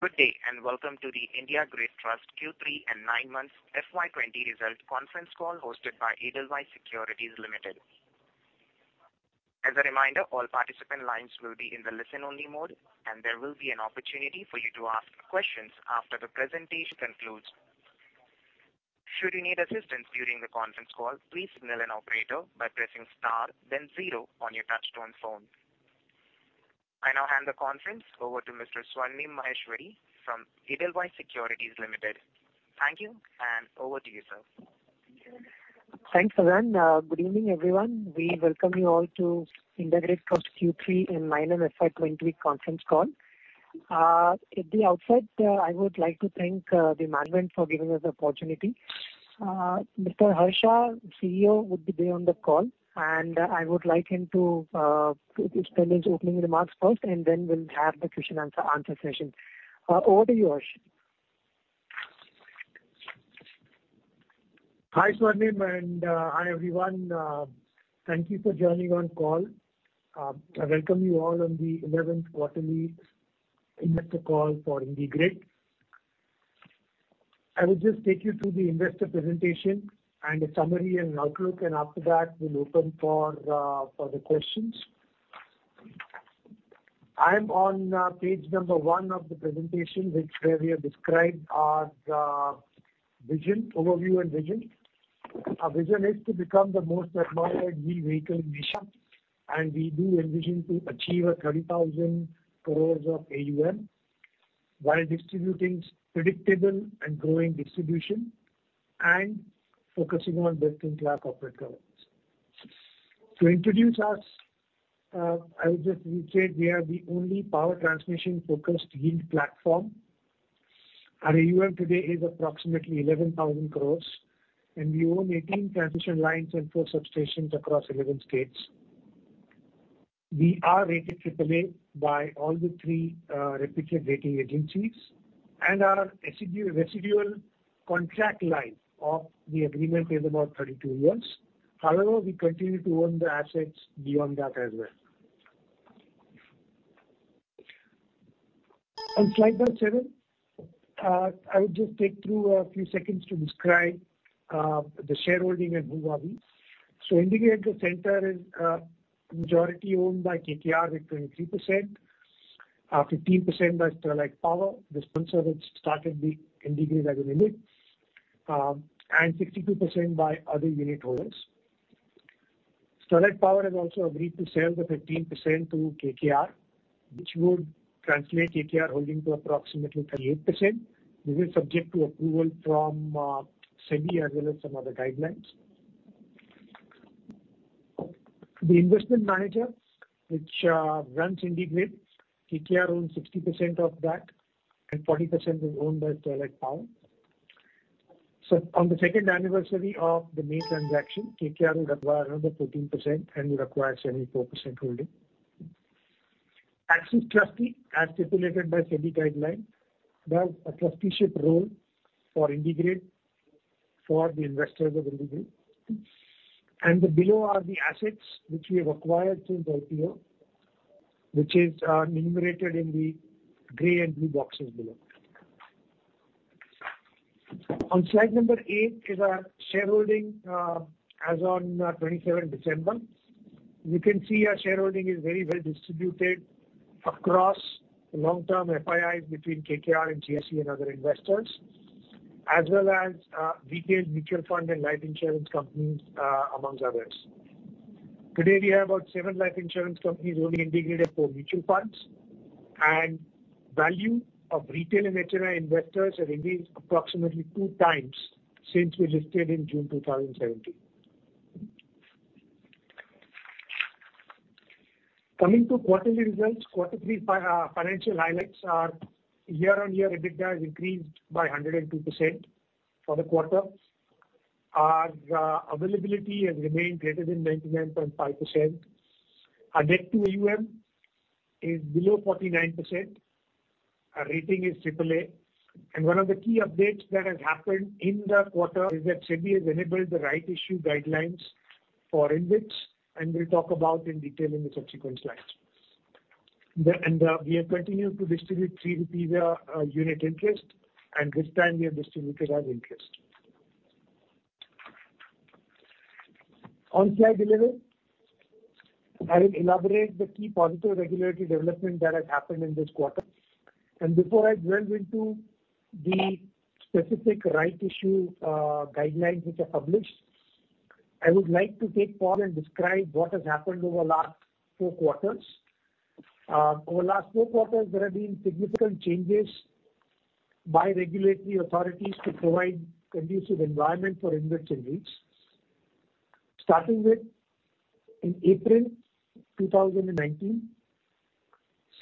Good day, and welcome to the IndiGrid Infrastructure Trust Q3 and Nine Months FY 2020 Result Conference Call hosted by Edelweiss Securities Limited. As a reminder, all participant lines will be in the listen-only mode, and there will be an opportunity for you to ask questions after the presentation concludes. Should you need assistance during the conference call, please signal an operator by pressing star then zero on your touch-tone phone. I now hand the conference over to Mr. Swarnim Maheshwari from Edelweiss Securities Limited. Thank you, and over to you, sir. Thanks, Anand. Good evening, everyone. We welcome you all to IndiGrid Trust Q3 and Nine Month FY 2020 Conference Call. At the outset, I would like to thank the management for giving us the opportunity. Mr. Harsh Shah, CEO, would be there on the call, and I would like him to give his opening remarks first, and then we'll have the question and answer session. Over to you, Harsh. Hi, Swarnim, and hi, everyone. Thank you for joining on call. I welcome you all on the 11th Quarterly Investor Call for IndiGrid. I will just take you through the investor presentation and a summary and outlook. After that, we'll open for the questions. I am on page number one of the presentation, where we have described our overview and vision. Our vision is to become the most admired yield vehicle in Asia. We do envision to achieve 30,000 crore of AUM, while distributing predictable and growing distribution and focusing on best-in-class corporate governance. To introduce us, I would just say we are the only power transmission-focused yield platform. Our AUM today is approximately 11,000 crore. We own 18 transmission lines and four substations across 11 states. We are rated AAA by all the three reputed rating agencies and our residual contract life of the agreement is about 32 years. We continue to own the assets beyond that as well. On slide number seven, I would just take through a few seconds to describe the shareholding and who are we. IndiGrid at the center is majority-owned by KKR with 23%, 15% by Sterlite Power, the sponsor which started the IndiGrid Infrastructure as a unit, and 62% by other unit holders. Sterlite Power has also agreed to sell the 15% to KKR, which would translate KKR holding to approximately 38%. This is subject to approval from SEBI as well as some other guidelines. The Investment Manager, which runs IndiGrid, KKR owns 60% of that, and 40% is owned by Sterlite Power. On the second anniversary of the main transaction, KKR will acquire another 14% and will acquire 74% holding. Axis Trustee, as stipulated by SEBI guidelines, does a trusteeship role for IndiGrid for the investors of IndiGrid. Below are the assets which we have acquired since IPO, which is enumerated in the gray and blue boxes below. On slide number eight is our shareholding as on 27th December. You can see our shareholding is very well distributed across long-term FIIs between KKR and GIC and other investors, as well as retail mutual fund and life insurance companies amongst others. Today, we have about seven life insurance companies holding IndiGrid and four mutual funds, and value of retail and HNI investors have increased approximately two times since we listed in June 2017. Coming to quarterly results, quarter three financial highlights are year-on-year EBITDA has increased by 102% for the quarter. Our availability has remained greater than 99.5%. Our debt to AUM is below 49%. Our rating is AAA. One of the key updates that has happened in the quarter is that SEBI has enabled the rights issue guidelines for InvITs, and we'll talk about in detail in the subsequent slides. We have continued to distribute 3 rupees unit interest, and this time we have distributed our interest. On slide 11, I will elaborate the key positive regulatory development that has happened in this quarter. Before I delve into the specific rights issue guidelines which are published, I would like to take pause and describe what has happened over last four quarters. Over last four quarters, there have been significant changes by regulatory authorities to provide conducive environment for InvITs and REITs. Starting with, in April 2019,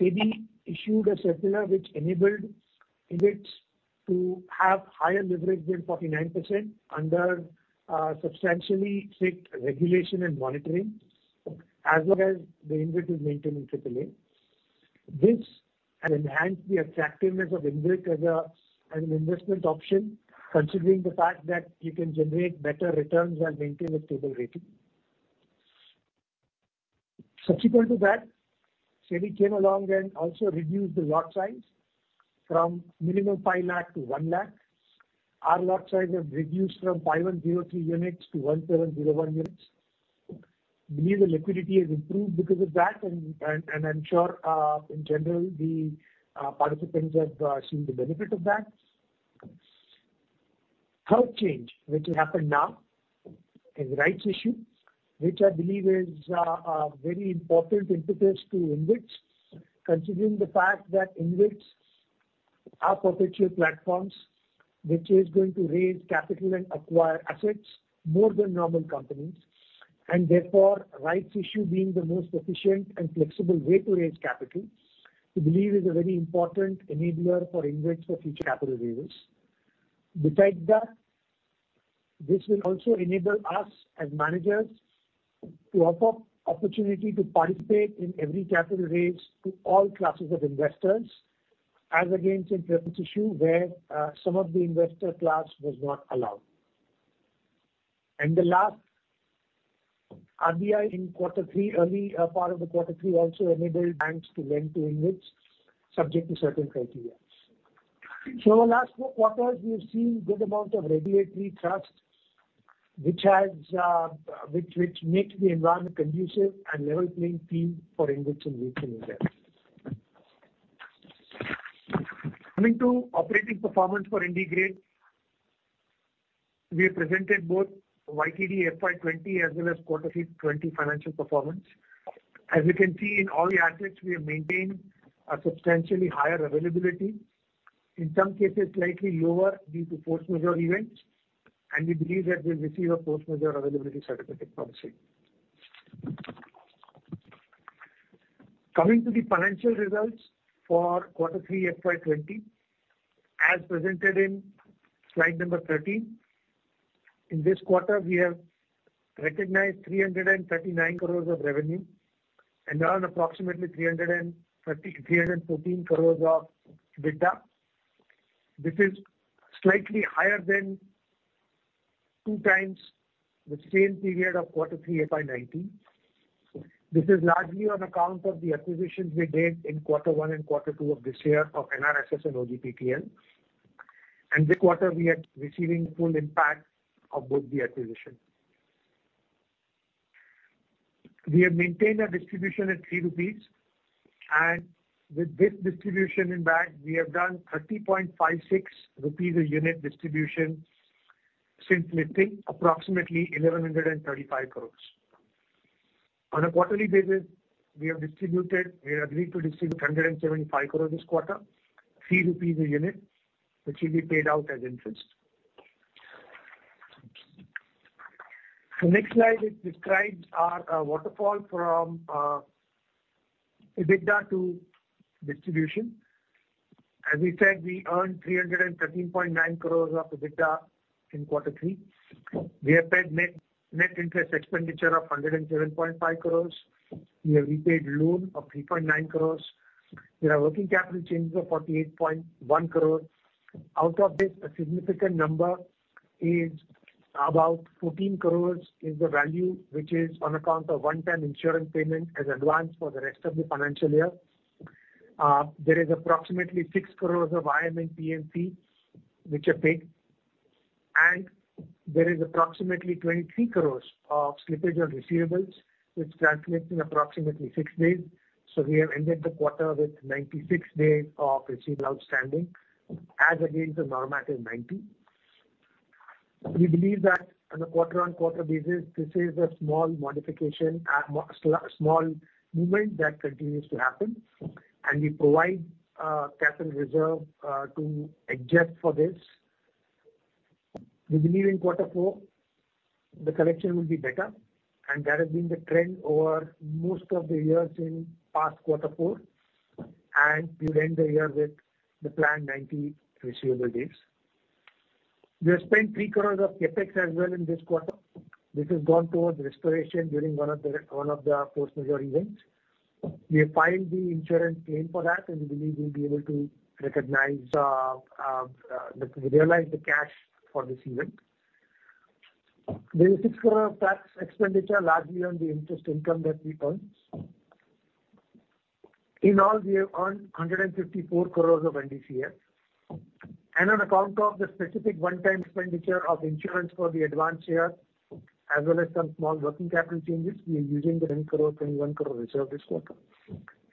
SEBI issued a circular which enabled InvITs to have higher leverage than 49% under substantially strict regulation and monitoring, as long as the InvIT is maintaining AAA. This has enhanced the attractiveness of InvIT as an investment option, considering the fact that you can generate better returns and maintain a stable rating. Subsequent to that, SEBI came along and also reduced the lot size from minimum 5 lakh to 1 lakh. Our lot size has reduced from 5103 units to 1701 units. We believe the liquidity has improved because of that, and I'm sure in general, the participants have seen the benefit of that. Third change, which will happen now, is rights issue, which I believe is a very important impetus to InvITs, considering the fact that InvITs are perpetual platforms, which is going to raise capital and acquire assets more than normal companies. Therefore, rights issue being the most efficient and flexible way to raise capital, we believe is a very important enabler for InvITs for future capital raises. Besides that, this will also enable us as managers to offer opportunity to participate in every capital raise to all classes of investors, as against a preference issue where some of the investor class was not allowed. The last, RBI in early part of the Quarter 3 also enabled banks to lend to InvITs subject to certain criteria. In last four quarters, we have seen good amount of regulatory trust, which makes the environment conducive and level playing field for InvITs and REITs in India. Coming to operating performance for IndiGrid, we have presented both YTD FY 2020 as well as Quarter 3 2020 financial performance. As you can see in all the assets, we have maintained a substantially higher availability. In some cases, slightly lower due to force majeure events, and we believe that we'll receive a force majeure availability certificate from CERC. Coming to the financial results for Quarter 3 FY 2020, as presented in slide number 13. In this quarter, we have recognized 339 crore of revenue and earned approximately 313 crore of EBITDA, which is slightly higher than two times the same period of Quarter 3 FY 2019. This is largely on account of the acquisitions we made in Quarter 1 and Quarter 2 of this year of NRSS and OGPTL. This quarter we are receiving full impact of both the acquisitions. We have maintained our distribution at 3 rupees, and with this distribution in bank, we have done 30.56 rupees a unit distribution since listing approximately 1,135 crore. On a quarterly basis, we have agreed to distribute 175 crore this quarter, 3 rupees a unit, which will be paid out as interest. Next slide describes our waterfall from EBITDA to distribution. As we said, we earned 313.9 crore of EBITDA in Quarter 3. We have paid net interest expenditure of 107.5 crore. We have repaid loan of 3.9 crore. We have working capital changes of 48.1 crore. Out of this, a significant number is about 14 crore is the value, which is on account of one-time insurance payment as advance for the rest of the financial year. There is approximately 6 crore of IM and TM which are paid. There is approximately 23 crore of slippage of receivables, which translates in approximately six days. We have ended the quarter with 96 days of receivable outstanding as against the norm that is 90 days. We believe that on a quarter-on-quarter basis, this is a small movement that continues to happen. We provide capital reserve to adjust for this. We believe in Quarter 4, the collection will be better. That has been the trend over most of the years in past Quarter 4. We would end the year with the planned 90 receivable days. We have spent 3 crore of CapEx as well in this quarter. This has gone towards restoration during one of the force majeure events. We have filed the insurance claim for that. We believe we'll be able to realize the cash for this event. There is INR 6 crore tax expenditure largely on the interest income that we earned. In all, we have earned 154 crore of NDCF. On account of the specific one-time expenditure of insurance for the advance year, as well as some small working capital changes, we are using the 21 crore reserve this quarter.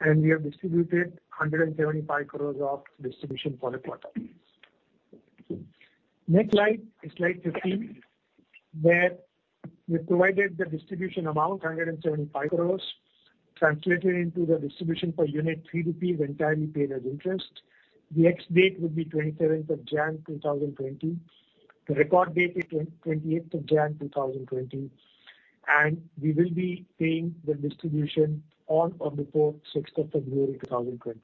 We have distributed 175 crore of distribution for the quarter. Next slide is slide 15, where we've provided the distribution amount, 175 crore translated into the distribution per unit 3 rupees entirely paid as interest. The ex-date would be 27th of January 2020. The record date is 28th of January 2020. We will be paying the distribution on or before 6th of February 2020.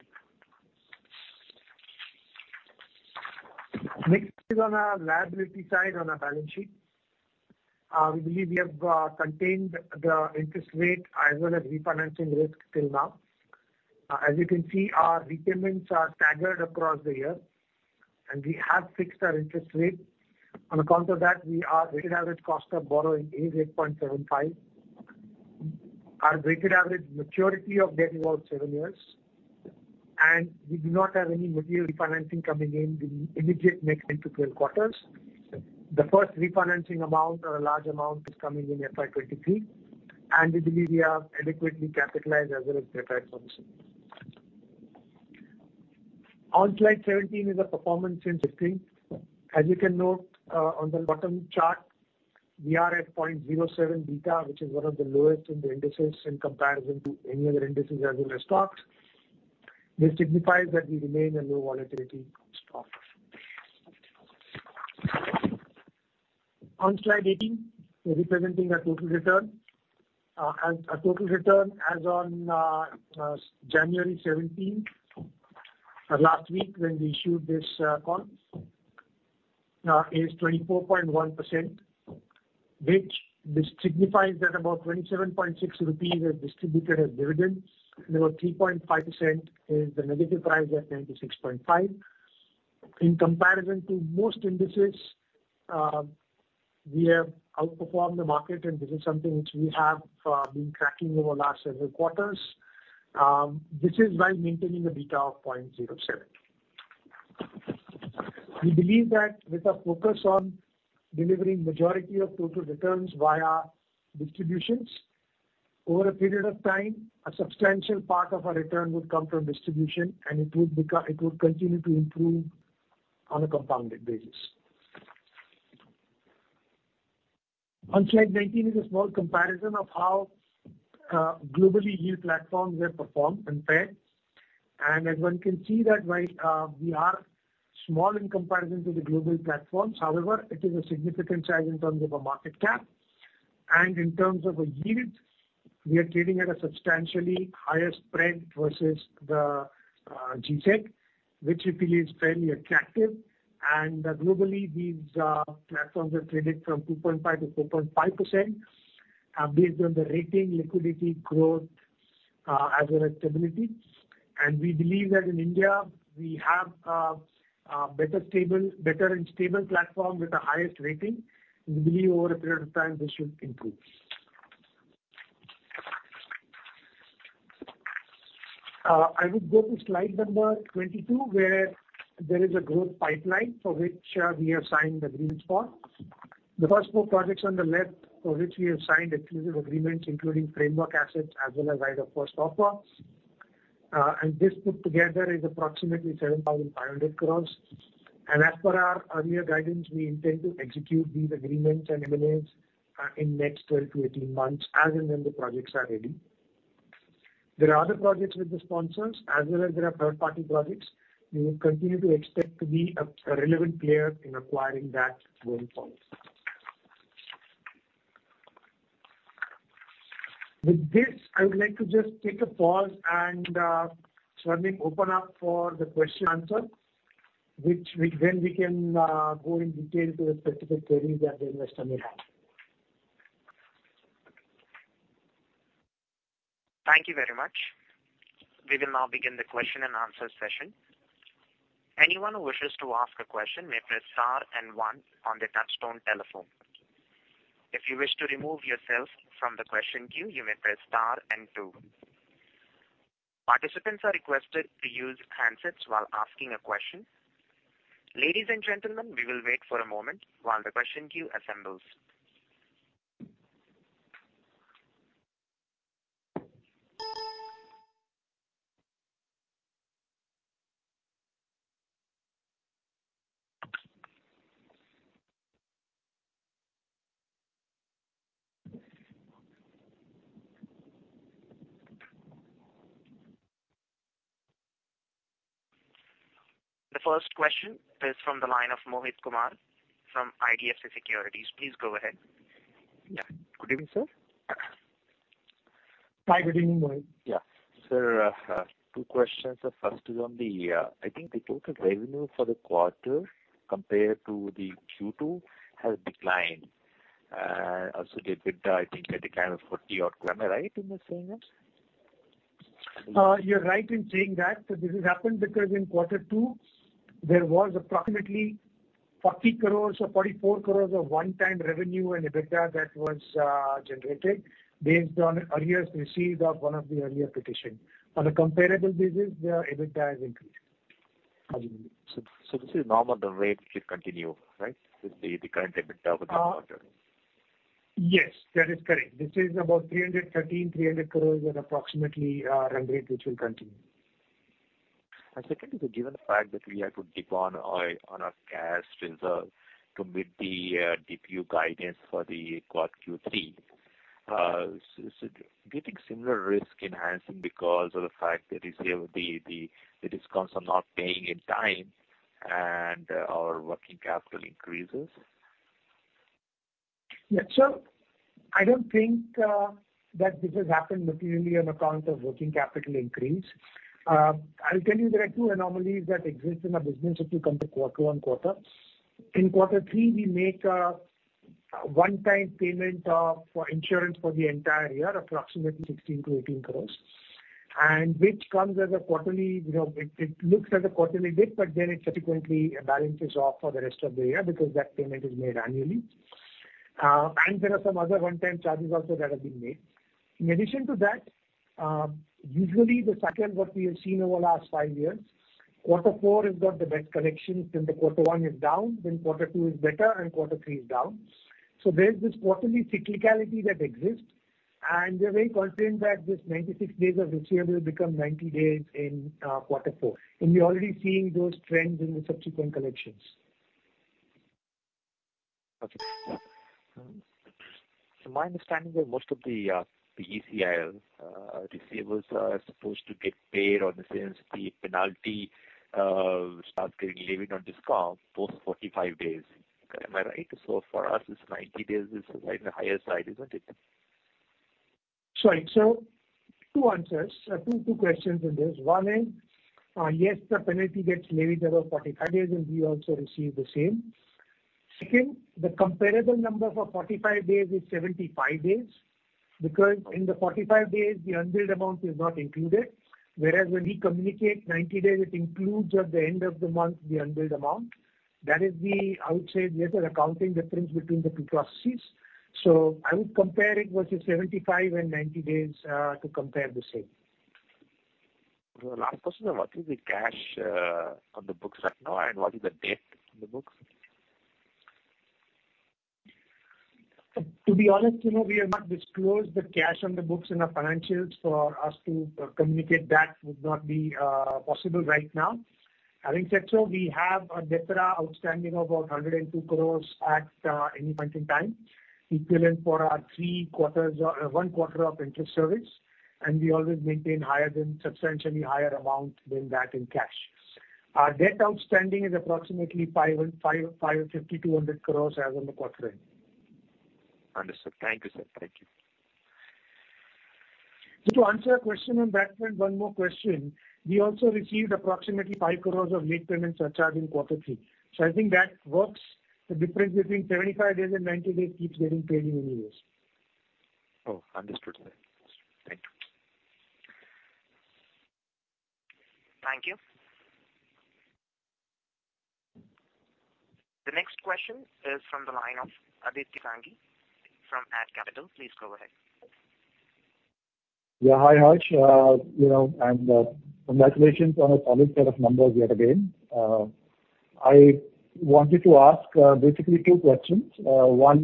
Next is on our liability side on our balance sheet. We believe we have contained the interest rate as well as refinancing risk till now. As you can see, our repayments are staggered across the year, we have fixed our interest rate. On account of that, our weighted average cost of borrowing is 8.75%. Our weighted average maturity of debt is about seven years. We do not have any material refinancing coming in the immediate next 12 quarters. The first refinancing amount or a large amount is coming in FY 2023. We believe we are adequately capitalized as well as prepared for the same. On slide 17 is a performance since listing. As you can note on the bottom chart, we are at 0.07 beta, which is one of the lowest in the indices in comparison to any other indices as well as stocks. This signifies that we remain a low volatility stock. On slide 18, we're representing our total return. Our total return as on January 17, last week when we issued this call, is 24.1%, which signifies that about 27.6 rupees is distributed as dividends and about 3.5% is the negative price at 96.5. In comparison to most indices, we have outperformed the market, and this is something which we have been tracking over the last several quarters. This is while maintaining a beta of 0.07. We believe that with a focus on delivering majority of total returns via distributions, over a period of time, a substantial part of our return would come from distribution and it will continue to improve on a compounded basis. On slide 19 is a small comparison of how globally yield platforms have performed and paired. As one can see that while we are small in comparison to the global platforms, however, it is a significant size in terms of a market cap. In terms of a yield, we are trading at a substantially higher spread versus the G-Sec, which we believe is fairly attractive. Globally, these platforms are traded from 2.5%-4.5%, based on the rating, liquidity, growth as well as stability. We believe that in India, we have a better and stable platform with the highest rating. We believe over a period of time, this should improve. I would go to slide number 22, where there is a growth pipeline for which we have signed agreements for. The first four projects on the left for which we have signed exclusive agreements, including framework assets as well as Right of First Offer. This put together is approximately 7,500 crore. As per our earlier guidance, we intend to execute these agreements and MOAs in next 12 to 18 months as and when the projects are ready. There are other projects with the sponsors as well as there are third-party projects. We will continue to expect to be a relevant player in acquiring that going forward. With this, I would like to just take a pause and, Swarnim, open up for the question answer, then we can go in detail to the specific queries that the investor may have. Thank you very much. We will now begin the question and answer session. Anyone who wishes to ask a question may press star and one on the touchtone telephone. If you wish to remove yourself from the question queue, you may press star and two. Participants are requested to use handsets while asking a question. Ladies and gentlemen, we will wait for a moment while the question queue assembles. The first question is from the line of Mohit Kumar from IDFC Securities. Please go ahead. Yeah. Good evening, sir. Hi, good evening, Mohit. Sir, two questions. First is on the, I think the total revenue for the quarter compared to the Q2 has declined. Also the EBITDA, I think at a kind of 40 odd claim. Am I right in saying that? You're right in saying that. This has happened because in Quarter 2 there was approximately 40 crore or 44 crore of one-time revenue and EBITDA that was generated based on arrears received of one of the earlier petitions. On a comparable basis, their EBITDA has increased. This is normal, the rate will continue, right? The current EBITDA for this quarter. Yes. That is correct. This is about 313,300 crore at approximately our run rate, which will continue. Second is that given the fact that we have to dip on our cash reserve to meet the DPU guidance for the Q3. Do you think similar risk enhancing because of the fact that the discoms are not paying in time and our working capital increases? I don't think that this has happened materially on account of working capital increase. I'll tell you there are two anomalies that exist in our business if you come to quarter on quarter. In Quarter 3, we make a one-time payment for insurance for the entire year, approximately 16 crore-18 crore, and which comes as a quarterly. It looks as a quarterly bit, but then it subsequently balances off for the rest of the year because that payment is made annually. There are some other one-time charges also that have been made. In addition to that, usually the second, what we have seen over the last five years, quarter four has got the best collection, then the quarter one is down, then quarter two is better, and quarter three is down. There's this quarterly cyclicality that exists, and we are very confident that this 96 days of receivable will become 90 days in Quarter 4, and we're already seeing those trends in the subsequent collections. Okay. My understanding is that most of the ENICL receivables are supposed to get paid on the same fee penalty, starts getting levied on discoms post 45 days. Am I right? For us, this 90 days is right in the higher side, isn't it? Sorry. Two questions in this. One is, yes, the penalty gets levied above 45 days, and we also receive the same. The comparable number for 45 days is 75 days, because in the 45 days, the unbilled amount is not included, whereas when we communicate 90 days, it includes at the end of the month the unbilled amount. That is the, I would say, lesser accounting difference between the two trustees. I would compare it versus 75 and 90 days to compare the same. Last question, what is the cash on the books right now, and what is the debt on the books? To be honest, we have not disclosed the cash on the books in our financials. For us to communicate that would not be possible right now. Having said so, we have a debt outstanding of about 102 crore at any point in time, equivalent for our 1/4 of interest service, and we always maintain substantially higher amount than that in cash. Our debt outstanding is approximately 5,200 crore as on the quarter end. Understood. Thank you, sir. Thank you. To answer your question on that front, one more question. We also received approximately 5 crore of late payment surcharge in quarter three. I think that works. The difference between 75 days and 90 days keeps getting traded anyways. Oh, understood, sir. Thank you. Thank you. The next question is from the line of Aditya Sanghi from AT Capital. Please go ahead. Yeah. Hi, Harsh. Congratulations on a solid set of numbers yet again. I wanted to ask basically two questions. One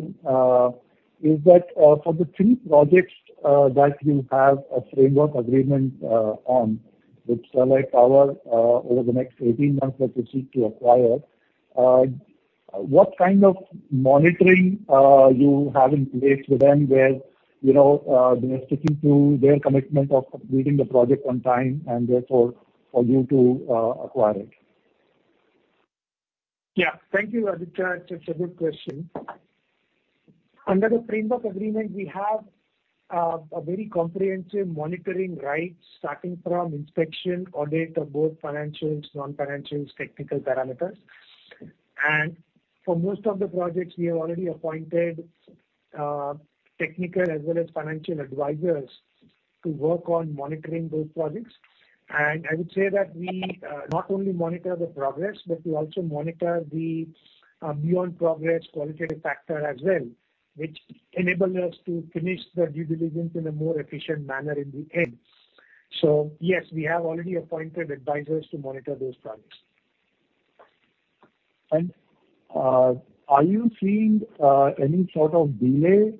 is that for the three projects that you have a framework agreement on with Sterlite Power over the next 18 months that you seek to acquire, what kind of monitoring you have in place with them where they're sticking to their commitment of completing the project on time, and therefore for you to acquire it? Thank you, Aditya. It's a good question. Under the framework agreement, we have a very comprehensive monitoring right starting from inspection, audit of both financials, non-financial, technical parameters. For most of the projects, we have already appointed technical as well as financial advisors to work on monitoring those projects. I would say that we not only monitor the progress, but we also monitor the beyond progress qualitative factor as well, which enable us to finish the due diligence in a more efficient manner in the end. Yes, we have already appointed advisors to monitor those projects. Are you seeing any sort of delay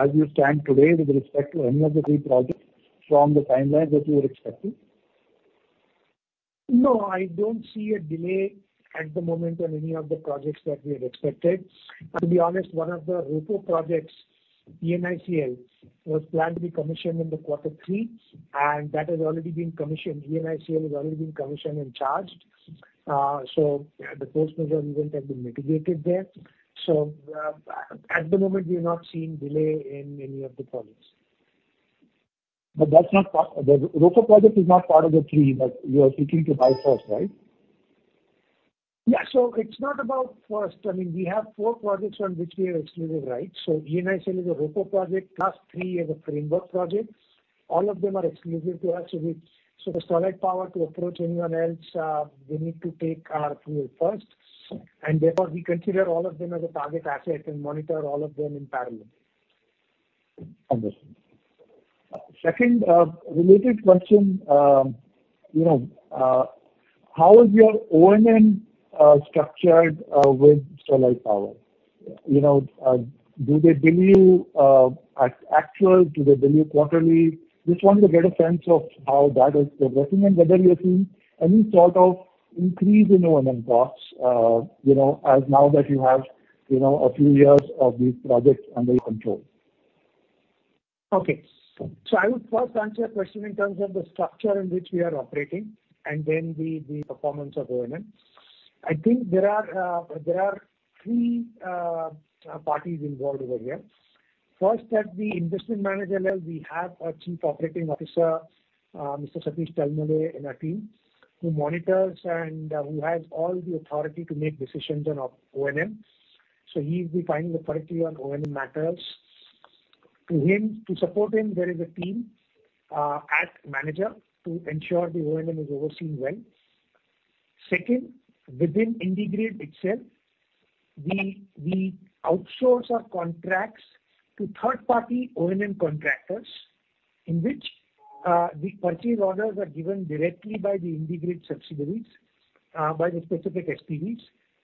as you stand today with respect to any of the three projects from the timeline that you were expecting? No. I don't see a delay at the moment on any of the projects that we had expected. To be honest, one of the ROFO projects, ENICL, was planned to be commissioned in the quarter three, that has already been commissioned. ENICL has already been commissioned and charged. The force majeure event has been mitigated there. At the moment, we are not seeing delay in any of the projects. The ROFO project is not part of the three that you are seeking to buy first, right? It's not about first. We have four projects on which we have exclusive rights. ENICL is a ROFO project, plus three as a framework project. All of them are exclusive to us. For Sterlite Power to approach anyone else, they need to take our call first, and therefore we consider all of them as a target asset and monitor all of them in parallel. Understood. Second related question. How is your O&M structured with Sterlite Power? Do they bill you at actual? Do they bill you quarterly? Just want to get a sense of how that is progressing and whether you're seeing any sort of increase in O&M costs, as now that you have a few years of these projects under your control. Okay. I would first answer your question in terms of the structure in which we are operating, and then the performance of O&M. I think there are three parties involved over here. First, that the investment manager level, we have a Chief Operating Officer, Mr. Satish Talmale, in our team, who monitors and who has all the authority to make decisions on O&M. He will be finding the authority on O&M matters. To support him, there is a team, as manager, to ensure the O&M is overseen well. Second, within IndiGrid itself, we outsource our contracts to third-party O&M contractors, in which the purchase orders are given directly by the IndiGrid subsidiaries, by the specific SPVs,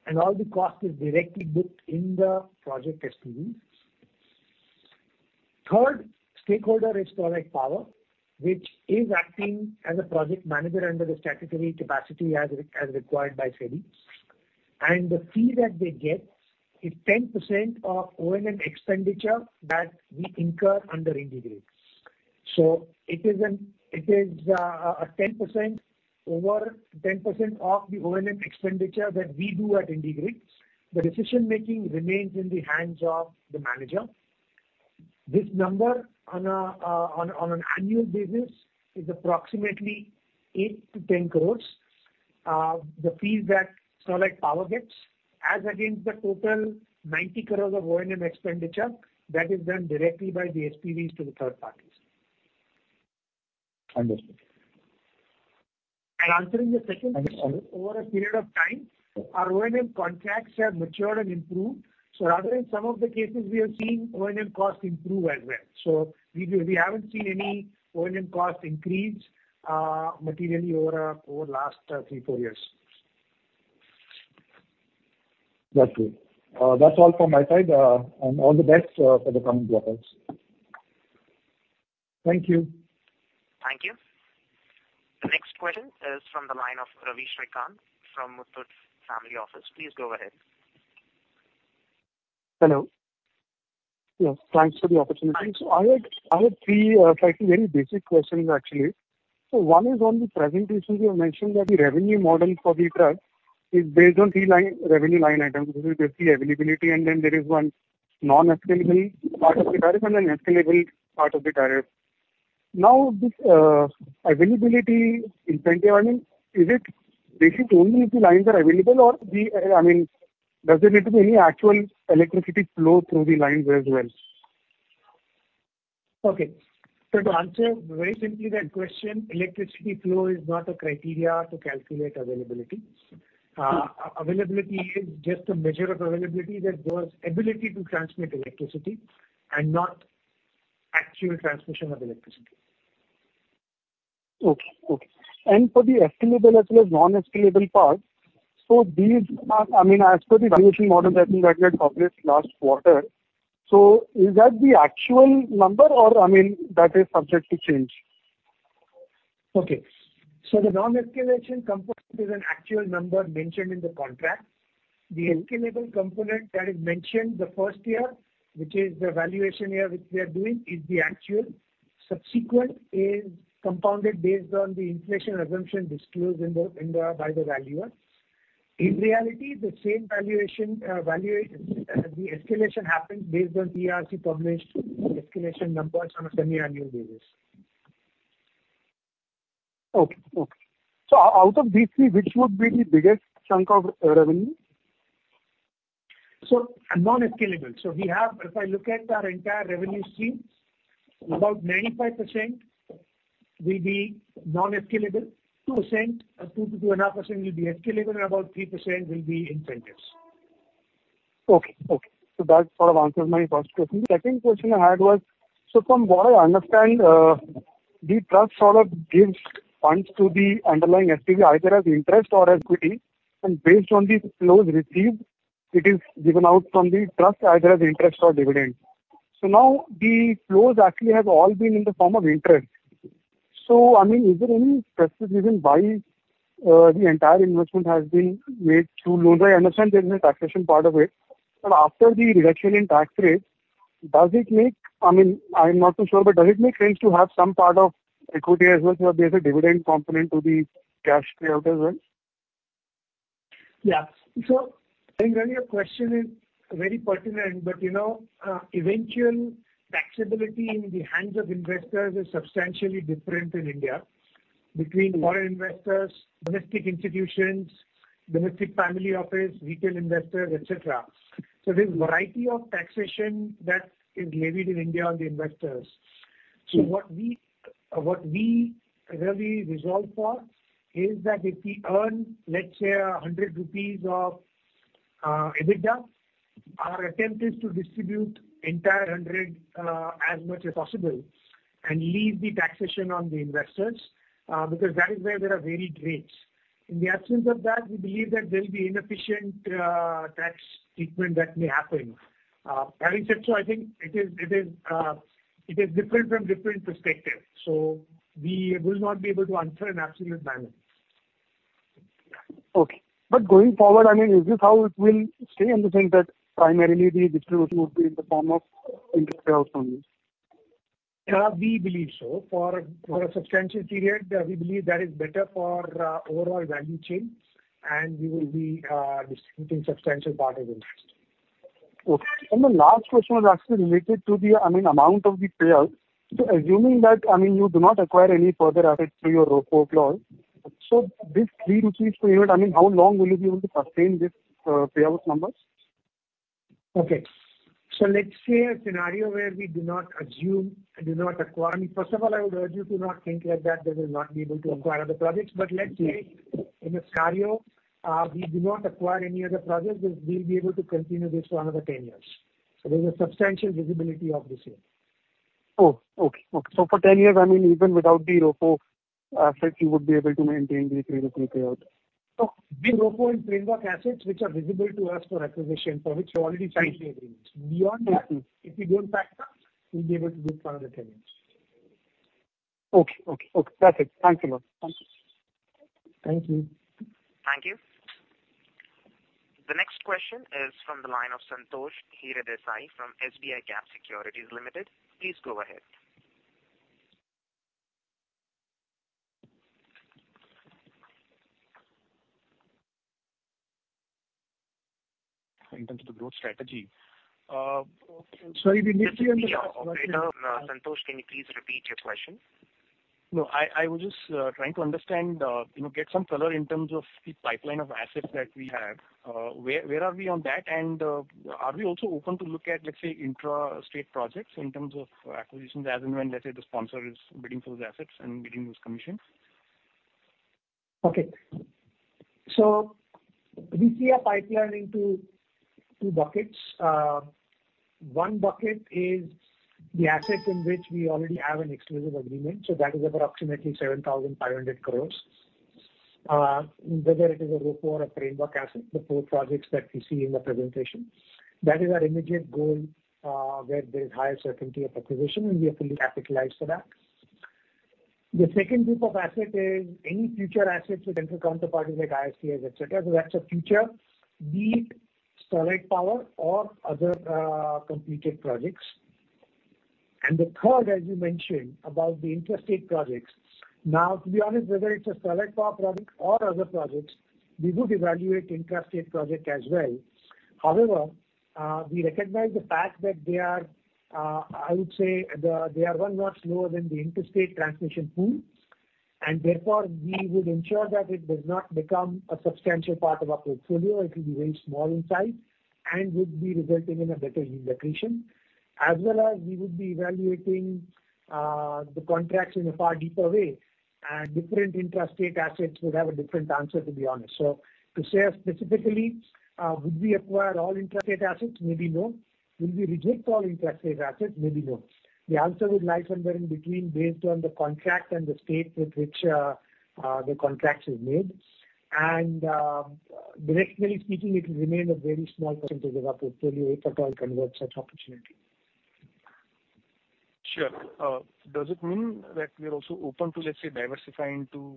and all the cost is directly booked in the project SPVs. Third, stakeholder is Sterlite Power, which is acting as a project manager under the statutory capacity as required by CERC. The fee that they get is 10% of O&M expenditure that we incur under IndiGrid. It is over 10% of the O&M expenditure that we do at IndiGrid. The decision-making remains in the hands of the manager. This number on an annual basis is approximately 8 crore-10 crore, the fees that Sterlite Power gets, as against the total 90 crore of O&M expenditure that is done directly by the SPVs to the third parties. Understood. Answering your second question. And sorry... Over a period of time, our O&M contracts have matured and improved. Rather in some of the cases, we have seen O&M cost improve as well. We haven't seen any O&M cost increase materially over last three, four years. That's it. That's all from my side. All the best for the coming quarters. Thank you. Thank you. The next question is from the line of Ravi Srikant from Muthoot Family Office. Please go ahead. Hello. Yes, thanks for the opportunity. I had three slightly very basic questions, actually. One is on the presentation, you have mentioned that the revenue model for the trust is based on three revenue line items, which is basically availability, and then there is one non-escalable part of the tariff and an escalable part of the tariff. This availability incentive, is it based only if the lines are available or does there need to be any actual electricity flow through the lines as well? Okay. To answer very simply that question, electricity flow is not a criteria to calculate availability. Sure. Availability is just a measure of availability that goes ability to transmit electricity and not actual transmission of electricity. Okay. For the escalable as well as non-escalable part, as per the valuation model that you had published last quarter, so is that the actual number or that is subject to change? Okay. The non-escalation component is an actual number mentioned in the contract. The escalable component that is mentioned the first year, which is the valuation year which we are doing, is the actual. Subsequent is compounded based on the inflation assumption disclosed by the valuer. In reality, the same valuation, the escalation happens based on CERC published escalation numbers on a semiannual basis. Okay. Out of these three, which would be the biggest chunk of revenue? Non-escalable. If I look at our entire revenue stream, about 95% will be non-escalable, 2% or 2%-2.5% will be escalable, and about 3% will be incentives. Okay. That sort of answers my first question. The second question I had was, from what I understand, the trust sort of gives funds to the underlying SPV, either as interest or as equity, and based on the flows received, it is given out from the trust either as interest or dividend. Now the flows actually have all been in the form of interest. Is there any precedent why the entire investment has been made through loans? I understand there's a taxation part of it, but after the reduction in tax rates, I'm not too sure, but does it make sense to have some part of equity as well, so there's a dividend component to the cash payout as well? Yeah. I think your question is very pertinent, but eventual taxability in the hands of investors is substantially different in India between foreign investors, domestic institutions, domestic family office, retail investors, et cetera. There's variety of taxation that is levied in India on the investors. What we really resolve for is that if we earn, let's say 100 rupees of EBITDA, our attempt is to distribute entire 100 as much as possible and leave the taxation on the investors because that is where there are varied rates. In the absence of that, we believe that there'll be inefficient tax treatment that may happen. Having said so, I think it is different from different perspectives, so we will not be able to answer an absolute balance. Okay. Going forward, is this how it will stay? Understanding that primarily the distribution would be in the form of interest payouts only. We believe so. For a substantial period, we believe that is better for overall value chain, and we will be distributing substantial part of interest. Okay. The last question was actually related to the amount of the payout. Assuming that you do not acquire any further assets through your ROFO clause. This three to four unit, how long will you be able to sustain this payout numbers? Let's say a scenario where we do not acquire. First of all, I would urge you to not think like that we'll not be able to acquire other projects. Let's say in a scenario, we do not acquire any other projects, we'll be able to continue this for another 10 years. There's a substantial visibility of the same. Oh, okay. For 10 years, even without the ROFO asset, you would be able to maintain the 3-3 payout. The ROFO and framework assets which are visible to us for acquisition, for which we already signed the agreements. Beyond that, if we don't factor, we'll be able to do it for another 10 years. Okay. That's it. Thanks a lot. Thank you. Thank you. The next question is from the line of Santosh Hiredesai from SBICAP Securities Limited. Please go ahead. In terms of the growth strategy. Sorry, we missed the end of the last question. Operator. Santosh, can you please repeat your question? No, I was just trying to understand, get some color in terms of the pipeline of assets that we have. Where are we on that? Are we also open to look at, let's say, intrastate projects in terms of acquisitions, as in when, let's say, the sponsor is bidding for those assets and bidding those commissions? Okay. We see a pipeline in two buckets. One bucket is the asset in which we already have an exclusive agreement, that is approximately 7,500 crore. Whether it is a ROFO or a framework asset, the four projects that we see in the presentation. That is our immediate goal, where there is higher certainty of acquisition, and we are fully capitalized for that. The second group of asset is any future assets with central counterparties like ISTS, et cetera. That's a future be it Sterlite Power or other completed projects. The third, as you mentioned, about the intrastate projects. To be honest, whether it's a Sterlite Power project or other projects, we would evaluate intrastate project as well. However, we recognize the fact that they are one notch lower than the Inter-State transmission pool. Therefore, we would ensure that it does not become a substantial part of our portfolio. It will be very small in size and would be resulting in a better yield accretion. As well as we would be evaluating the contracts in a far deeper way. Different intrastate assets would have a different answer, to be honest. To say specifically, would we acquire all intrastate assets? Maybe no. Would we reject all intrastate assets? Maybe no. The answer would lie somewhere in between based on the contract and the state with which the contract is made. Directionally speaking, it will remain a very small portion to the portfolio if at all convert such opportunity. Sure. Does it mean that we are also open to, let's say, diversifying to,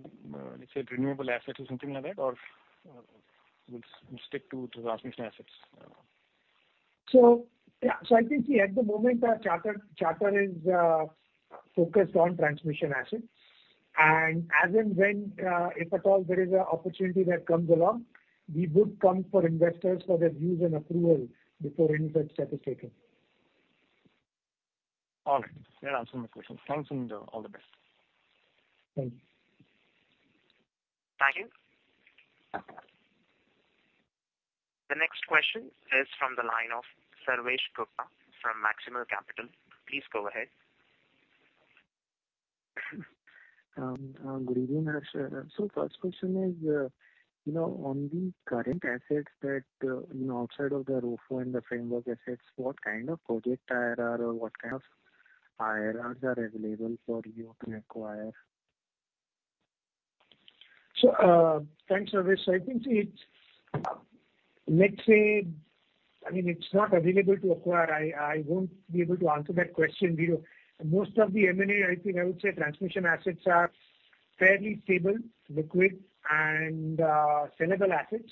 let's say, renewable assets or something like that, or we'll stick to transmission assets? I think at the moment, our charter is focused on transmission assets. As and when, if at all there is an opportunity that comes along, we would come for investors for their views and approval before any such step is taken. All right. That answers my question. Thanks, and all the best. Thank you. Thank you. The next question is from the line of Sarvesh Gupta from Maximal Capital. Please go ahead. Good evening. First question is, on the current assets that, outside of the ROFO and the framework assets, what kind of project IRR or what kind of IRRs are available for you to acquire? Thanks, Sarvesh. I think, let's say it's not available to acquire. I won't be able to answer that question. Most of the M&A, I think I would say transmission assets are fairly stable, liquid, and sellable assets.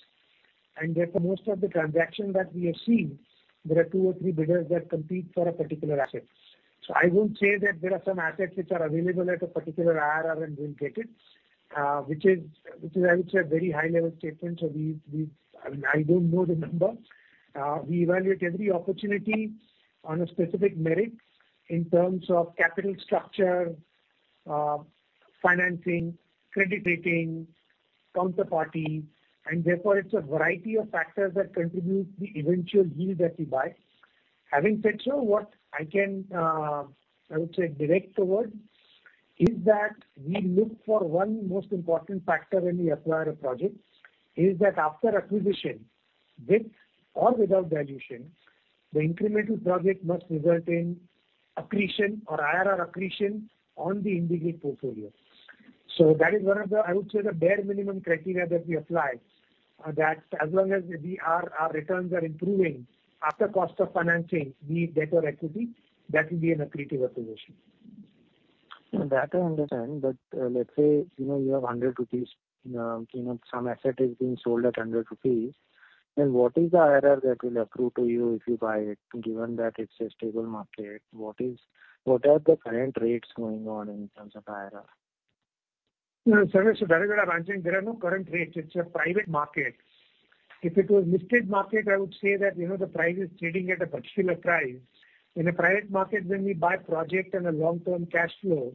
Therefore, most of the transaction that we have seen, there are two or three bidders that compete for a particular asset. I won't say that there are some assets which are available at a particular IRR, and we'll get it, which is I would say, a very high-level statement. I don't know the number. We evaluate every opportunity on a specific merit in terms of capital structure, financing, credit rating, counterparty, and therefore it's a variety of factors that contribute the eventual yield that we buy. Having said so, what I would say, direct towards is that we look for one most important factor when we acquire a project is that after acquisition, with or without dilution, the incremental project must result in accretion or IRR accretion on the IndiGrid portfolio. That is one of the, I would say, the bare minimum criteria that we apply. That as long as our returns are improving after cost of financing, be it debt or equity, that will be an accretive acquisition. That I understand. Let's say you have 100 rupees, some asset is being sold at 100 rupees, then what is the IRR that will accrue to you if you buy it, given that it's a stable market? What are the current rates going on in terms of IRR? No, sir. There is what I am saying, there are no current rates. It's a private market. If it was listed market, I would say that the price is trading at a particular price. In a private market, when we buy project and a long-term cash flow,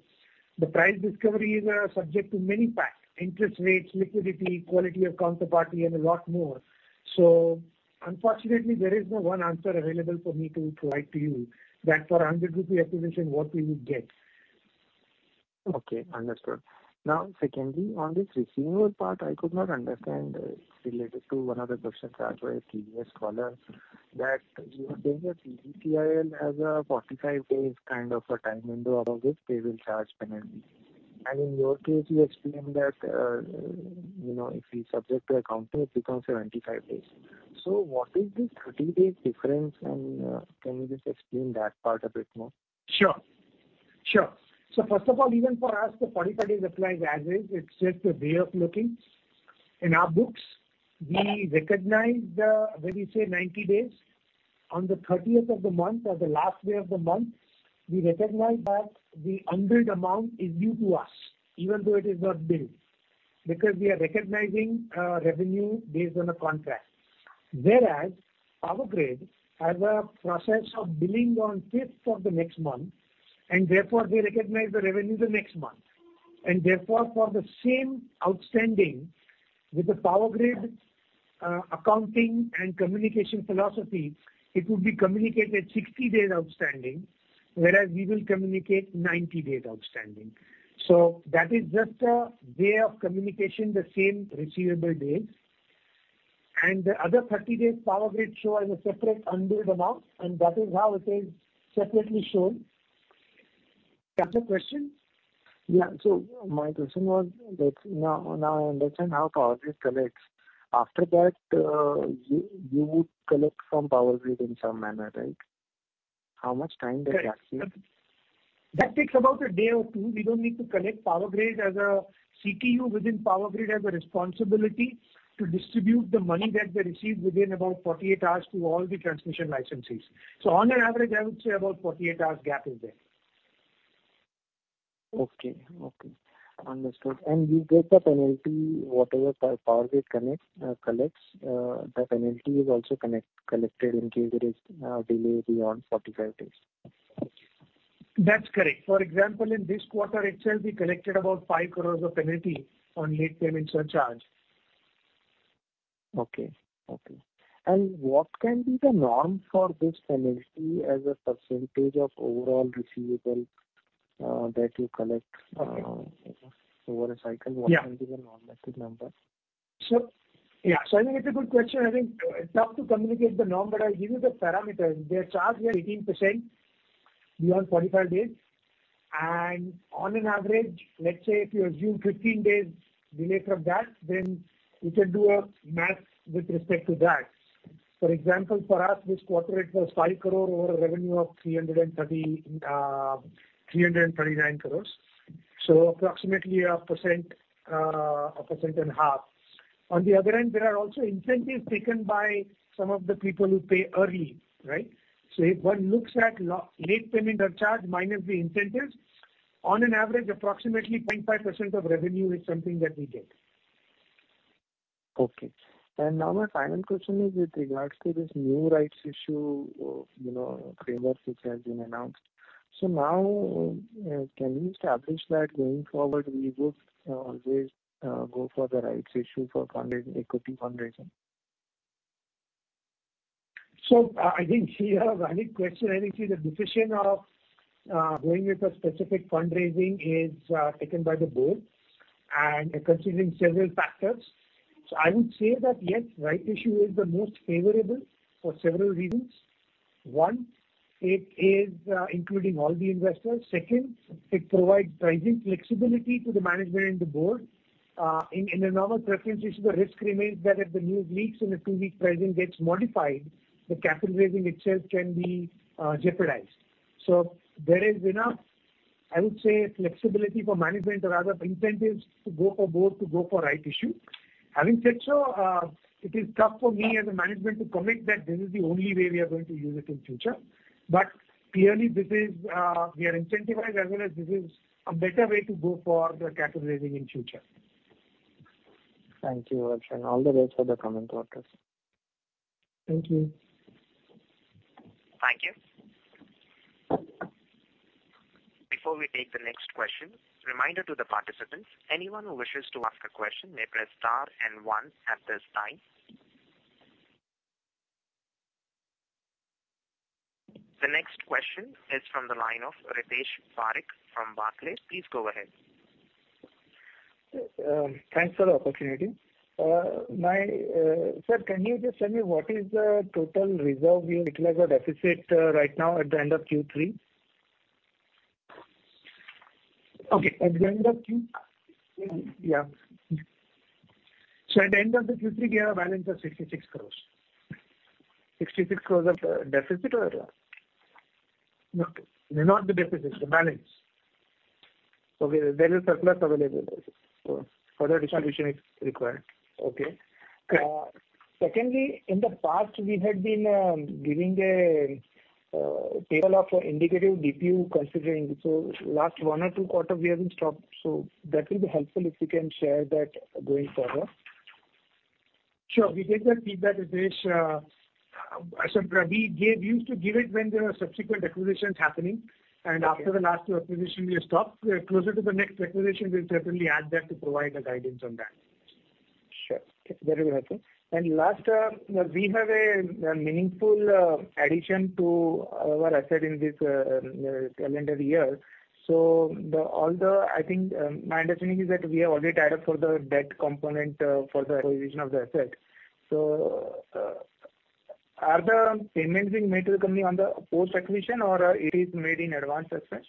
the price discovery is subject to many factors, interest rates, liquidity, quality of counterparty, and a lot more. Unfortunately, there is no one answer available for me to provide to you that for 100 rupee acquisition, what will you get. Okay, understood. Secondly, on this receivable part, I could not understand. It's related to one of the questions asked by a previous caller, that you were saying that PGCIL has a 45 days kind of a time window out of which they will charge penalty. And in your case, you explained that if we subject to accounting, it becomes 75 days. What is this 30 days difference and can you just explain that part a bit more? Sure. First of all, even for us, the 45 days applies as is. It's just a way of looking. In our books, when we say 90 days, on the 30th of the month or the last day of the month, we recognize that the unbilled amount is due to us, even though it is not billed, because we are recognizing revenue based on a contract. Whereas Power Grid has a process of billing on 5th of the next month, therefore, we recognize the revenue the next month. Therefore, for the same outstanding with the Power Grid accounting and communication philosophy, it would be communicated 60 days outstanding, whereas we will communicate 90 days outstanding. That is just a way of communication, the same receivable days. The other 30 days Power Grid show as a separate unbilled amount, and that is how it is separately shown. Further questions? Yeah. My question was that now I understand how Power Grid collects. After that, you would collect from Power Grid in some manner, right? How much time the gap is? That takes about a day or two. We don't need to collect Power Grid as a CTU within Power Grid has a responsibility to distribute the money that they receive within about 48 hours to all the transmission licensees. On an average, I would say about 48 hours gap is there. Okay. Understood. You get the penalty, whatever Power Grid collects, the penalty is also collected in case there is a delay beyond 45 days. That's correct. For example, in this quarter itself, we collected about 5 crore of penalty on late payment surcharge. Okay. What can be the norm for this penalty as a percentage of overall receivable that you collect over a cycle? Yeah. What can be the norm, that big number? I think it's a good question. I think it's tough to communicate the norm, but I'll give you the parameters. Their charge is 18% beyond 45 days. On an average, let's say if you assume 15 days delay from that, then you can do a math with respect to that. For example, for us, this quarter it was 5 crore over a revenue of 339 crore. Approximately 1%, 1.5%. On the other hand, there are also incentives taken by some of the people who pay early, right? If one looks at late payment or charge minus the incentives, on an average, approximately 0.5% of revenue is something that we get. Okay. Now my final question is with regards to this new rights issue framework which has been announced. Now, can we establish that going forward, we would always go for the rights issue for equity fundraising? I think here, a valid question. I think the decision of going with a specific fundraising is taken by the board and considering several factors. I would say that yes, right issue is the most favorable for several reasons. One, it is including all the investors. Second, it provides pricing flexibility to the management and the board. In a normal preference issue, the risk remains that if the news leaks and the two-week pricing gets modified, the capital raising itself can be jeopardized. There is enough, I would say, flexibility for management or other incentives to go for board to go for right issue. Having said so, it is tough for me as a management to commit that this is the only way we are going to use it in future. But, clearly, we are incentivized, as well as this is a better way to go for the capital raising in future. Thank you, Harsh. All the best for the coming quarters. Thank you. Thank you. Before we take the next question, reminder to the participants, anyone who wishes to ask a question may press star one at this time. The next question is from the line of Jitesh Parikh from Barclays. Please go ahead. Thanks for the opportunity. Sir, can you just tell me what is the total reserve you utilize the deficit right now at the end of Q3? Okay. Yeah. At the end of the Q3, we have a balance of 66 crore. 66 crore of deficit or? No. Not the deficit. The balance. Okay. There is surplus available. Further distribution is required. Okay. In the past, we had been giving a table of indicative DPU considering. Last one or two quarter, we have been stopped, so that will be helpful if you can share that going forward. Sure. We take that feedback, Jitesh. We used to give it when there were subsequent acquisitions happening, and after the last two acquisition we stopped. Closer to the next acquisition, we'll certainly add that to provide a guidance on that. Sure. Okay. That will be helpful. Last, we have a meaningful addition to our asset in this calendar year. I think my understanding is that we have already tied up for the debt component for the acquisition of the asset. Are the payments being made to the company on the post-acquisition or it is made in advance as such?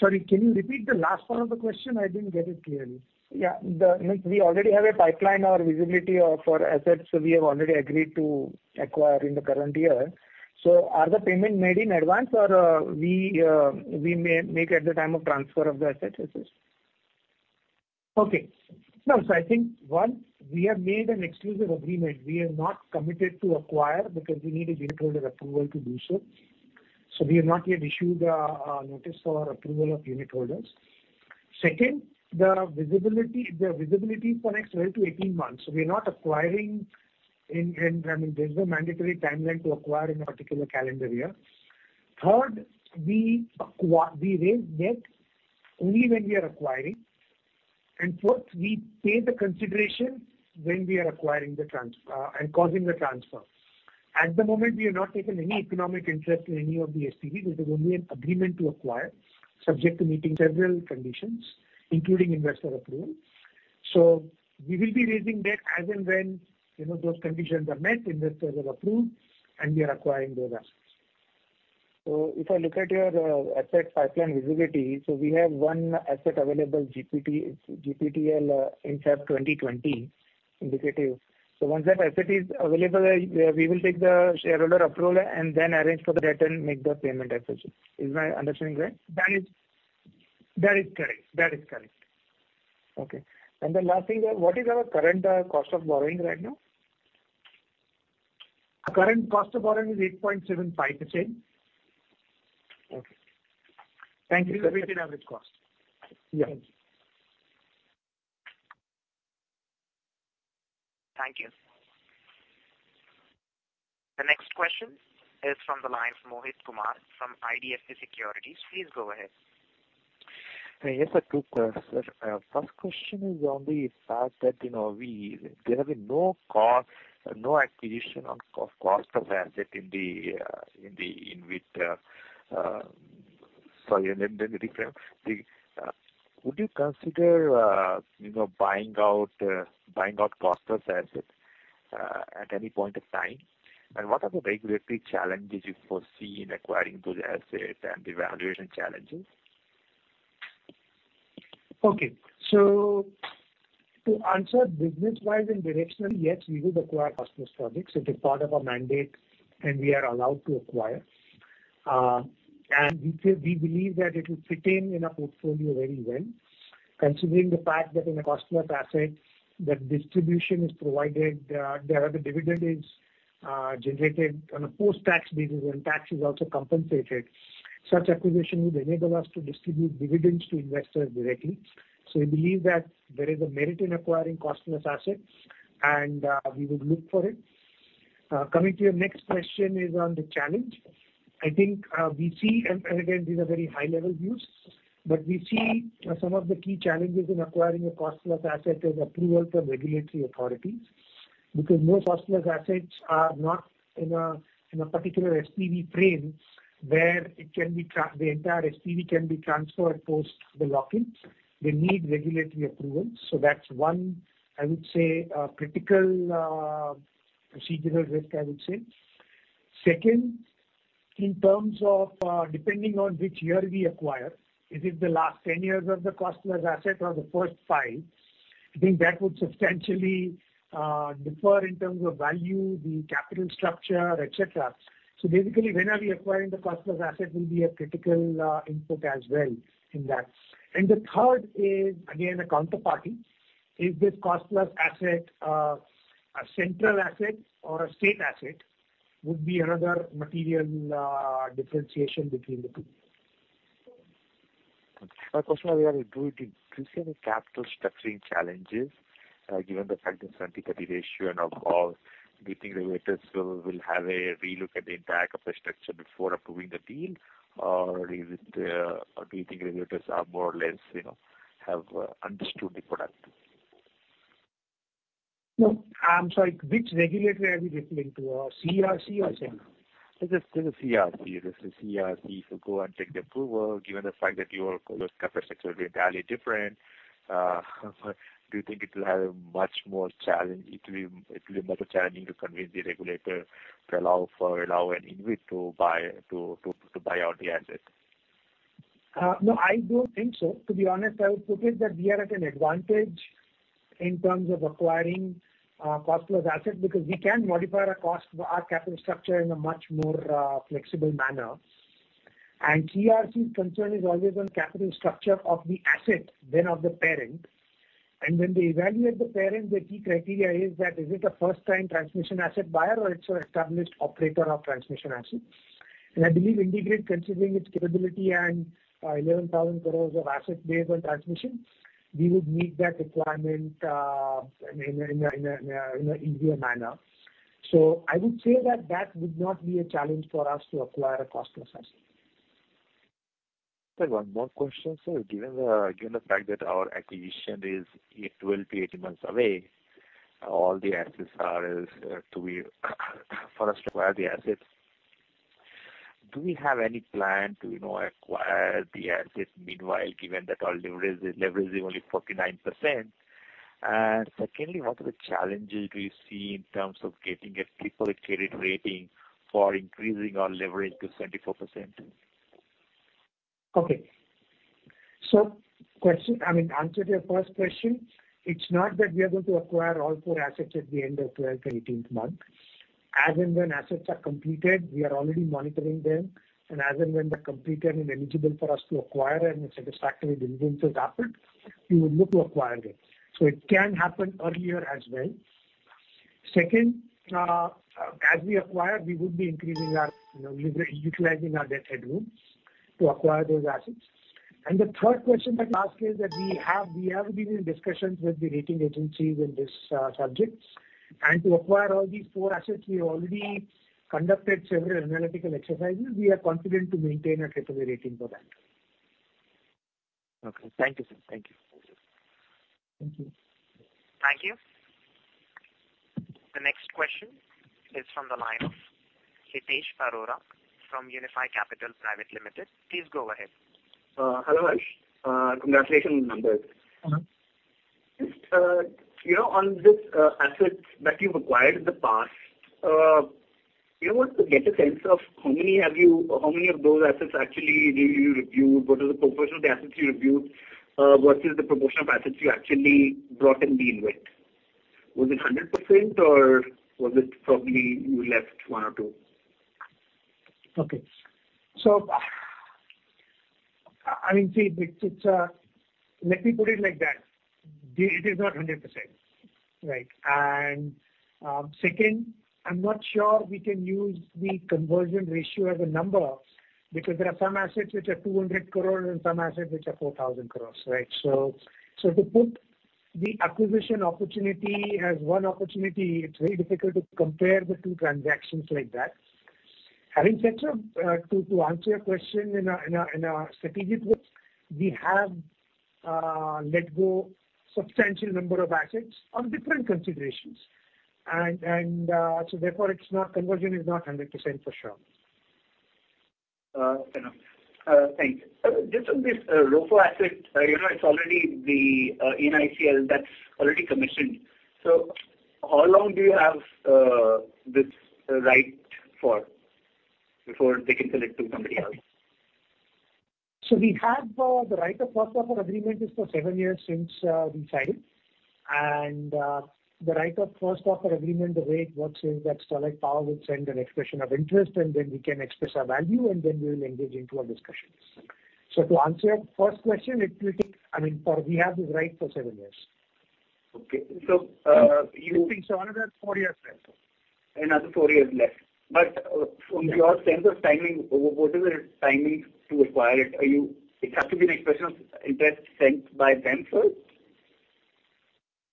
Sorry, can you repeat the last part of the question? I didn't get it clearly. Yeah. We already have a pipeline or visibility for assets we have already agreed to acquire in the current year. Are the payment made in advance or we may make at the time of transfer of the asset as such? Okay. No. I think, one, we have made an exclusive agreement. We have not committed to acquire because we need a unit holder approval to do so. We have not yet issued a notice for approval of unit holders. Second, the visibility is for next 12 to 18 months. We're not acquiring, and there's no mandatory timeline to acquire in a particular calendar year. Third, we raise debt only when we are acquiring. Fourth, we pay the consideration when we are acquiring the transfer and causing the transfer. At the moment, we have not taken any economic interest in any of the SPV. This is only an agreement to acquire, subject to meeting several conditions, including investor approval. We will be raising debt as and when those conditions are met, investors have approved, and we are acquiring those assets. If I look at your asset pipeline visibility, so we have one asset available, GPTL in half 2020, indicative. Once that asset is available, we will take the shareholder approval and then arrange for the debt and make the payment as such. Is my understanding correct? That is correct. Okay. The last thing, what is our current cost of borrowing right now? Current cost of borrowing is 8.75%. Okay. Thank you. Weighted average cost. Yeah. Thank you. Thank you. The next question is from the lines, Mohit Kumar from IDFC Securities. Please go ahead. Yes, sir. Good. First question is on the fact that there have been no acquisition on cost-plus asset in mid-term. Sorry, let me reframe. Would you consider buying out cost-plus asset, at any point of time? What are the regulatory challenges you foresee in acquiring those assets and the valuation challenges? Okay. To answer business-wise and directionally, yes, we would acquire customers' projects. It is part of our mandate, and we are allowed to acquire. We believe that it will fit in our portfolio very well, considering the fact that in a customer's asset, that distribution is provided, the dividend is generated on a post-tax basis, and tax is also compensated. Such acquisition would enable us to distribute dividends to investors directly. We believe that there is a merit in acquiring customers' assets, and we would look for it. Coming to your next question is on the challenge. I think we see, and again, these are very high-level views, but we see some of the key challenges in acquiring a customer's asset is approval from regulatory authorities. Because most customers' assets are not in a particular SPV frame where the entire SPV can be transferred post the lock-in. They need regulatory approval. That's one, I would say, critical procedural risk, I would say. Second, in terms of depending on which year we acquire, is it the last 10 years of the customer's asset or the first five? I think that would substantially differ in terms of value, the capital structure, et cetera. Basically, when are we acquiring the customer's asset will be a critical input as well in that. The third is, again, the counterparty. Is this customer's asset a central asset or a state asset would be another material differentiation between the two. My question is, do you see any capital structuring challenges, given the fact it's equity ratio and of all, do you think regulators will have a relook at the entire capital structure before approving the deal? Do you think regulators are more or less, have understood the product? No. I'm sorry, which regulator are we referring to? CERC or central? Just say the CERC. Go and take the approval, given the fact that your capital structure will be entirely different. Do you think it will have much more challenge? It will be more challenging to convince the regulator to allow an InvIT to buy out the asset. No, I don't think so. To be honest, I would put it that we are at an advantage in terms of acquiring Cost Plus asset, because we can modify our cost for our capital structure in a much more flexible manner. CERC's concern is always on capital structure of the asset than of the parent. When they evaluate the parent, the key criteria is that is it a first-time transmission asset buyer or it's an established operator of transmission assets. I believe IndiGrid, considering its capability and 11,000 crore of asset base on transmission, we would meet that requirement in an easier manner. I would say that would not be a challenge for us to acquire a Cost Plus asset. Sir, one more question, sir. Given the fact that our acquisition is 12 to 18 months away, all the assets are as to be for us to acquire the assets. Do we have any plan to acquire the assets meanwhile, given that our leverage is only 49%? Secondly, what are the challenges do you see in terms of getting a AAA credit rating for increasing our leverage to 74%? Okay. To answer your first question, it is not that we are going to acquire all four assets at the end of 12th or 18th month. As and when assets are completed, we are already monitoring them, and as and when they are completed and eligible for us to acquire and a satisfactory diligence has happened, we will look to acquire them. It can happen earlier as well. Second, as we acquire, we would be utilizing our debt headroom to acquire those assets. The third question that you asked is that we have been in discussions with the rating agencies in these subjects. To acquire all these four assets, we already conducted several analytical exercises. We are confident to maintain an AAA rating for that. Okay. Thank you, sir. Thank you. Thank you. Thank you. The next question is from the line of Hitesh Arora from Unifi Capital Private Limited. Please go ahead. Hello. Congratulations on the numbers. Just on these assets that you've acquired in the past, do you want to get a sense of how many of those assets actually did you review? What is the proportion of the assets you reviewed? What is the proportion of assets you actually brought and deal with? Was it 100% or was it probably you left one or two? Okay. Let me put it like that. It is not 100%. Right. Second, I am not sure we can use the conversion ratio as a number, because there are some assets which are 200 crore and some assets which are 4,000 crore. Right. To put the acquisition opportunity as one opportunity, it is very difficult to compare the two transactions like that. Having said so, to answer your question in a strategic way, we have let go substantial number of assets on different considerations. Therefore conversion is not 100% for sure. Fair enough. Thanks. Just on this ROFO asset, it's already the ENICL that's already commissioned. How long do you have this right for before they can sell it to somebody else? We have the right of first offer agreement is for seven years since we signed. The right of first offer agreement, the way it works is that Sterlite Power would send an expression of interest, and then we can express our value, and then we will engage into our discussions. To answer your first question, we have the right for seven years. Okay. You think so another four years left? Another four years left. From your sense of timing, what is the timing to acquire it? It has to be an expression of interest sent by them first?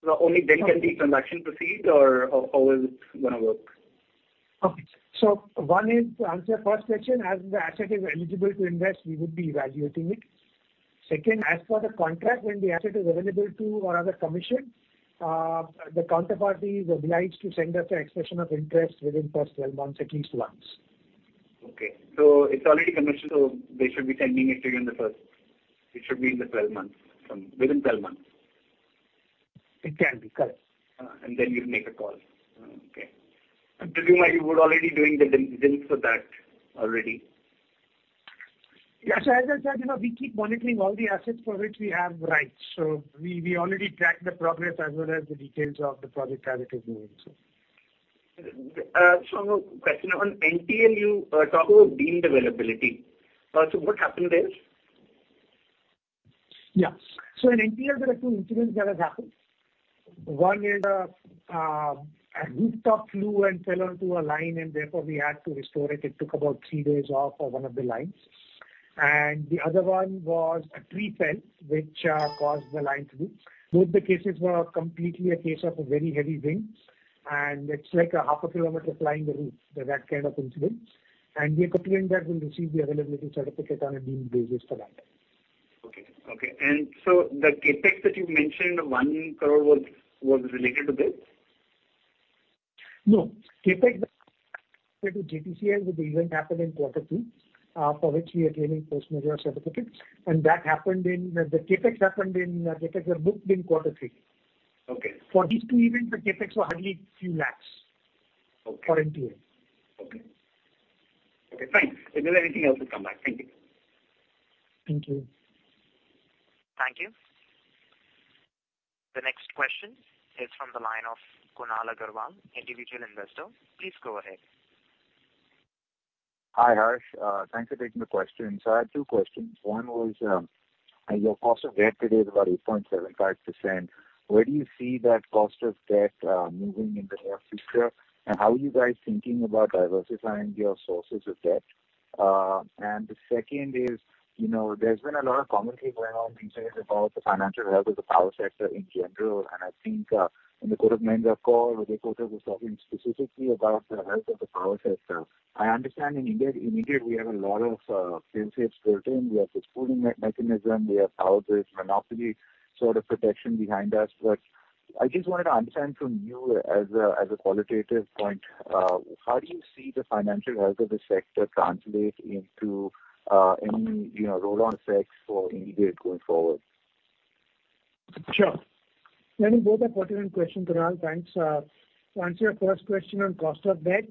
Only then can the transaction proceed, or how is it going to work? Okay. One is to answer your first question, as the asset is eligible to invest, we would be evaluating it. Second, as for the contract, when the asset is available to or rather commissioned, the counterparty is obliged to send us an expression of interest within first 12 months at least once. Okay. It's already commissioned, so they should be sending it to you in the first. It should be within 12 months. It can be. Correct. Then you'll make a call. Okay. Do you mean you are already doing the diligence for that already? Yeah. As I said, we keep monitoring all the assets for which we have rights. We already tracked the progress as well as the details of the project as it is moving. Question on NTL, you talk about deemed availability. What happened there? In NTL there are two incidents that have happened. One is a rooftop flew and fell onto a line and therefore we had to restore it. It took about three days off of one of the lines. The other one was a tree fell, which caused the line to move. Both the cases were completely a case of a very heavy wind, and it's like a half a kilometer of line removed by that kind of incident. We are confident that we'll receive the availability certificate on a deemed basis for that. Okay. The CapEx that you mentioned, 1 crore was related to this? No. CapEx related to JTCL with the event happened in Quarter 2, for which we are claiming force majeure certificate. The CapEx were booked in Quarter 3. Okay. For these two events, the CapEx were hardly INR few lakhs. For a year. Okay. Fine. If there is anything else, we will come back. Thank you. Thank you. Thank you. The next question is from the line of Kunal Agarwal, individual investor. Please go ahead. Hi, Harsh. Thanks for taking the question. I had two questions. One was, your cost of debt today is about 8.75%. Where do you see that cost of debt moving in the near future, and how are you guys thinking about diversifying your sources of debt? The second is, there's been a lot of commentary going on these days about the financial health of the power sector in general. I think in the government call where they were talking specifically about the health of the power sector. I understand in India we have a lot of safe harbors. We have this pooling mechanism. We have a host of monopoly sort of protection behind us. I just wanted to understand from you as a qualitative point, how do you see the financial health of the sector translate into any roll on effects for IndiGrid going forward? Sure. I think both are pertinent questions, Kunal. Thanks. To answer your first question on cost of debt,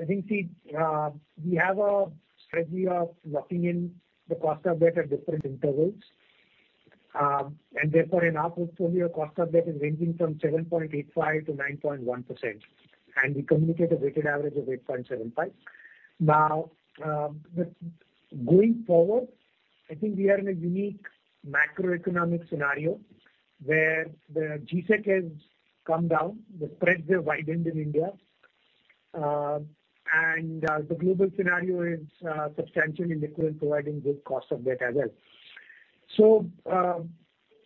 I think we have a strategy of locking in the cost of debt at different intervals. Therefore, in our portfolio, cost of debt is ranging from 7.85%-9.1%, and we communicate a weighted average of 8.75%. Going forward, I think we are in a unique macroeconomic scenario where the G-Sec has come down, the spreads have widened in India, and the global scenario is substantially liquid, providing good cost of debt as well.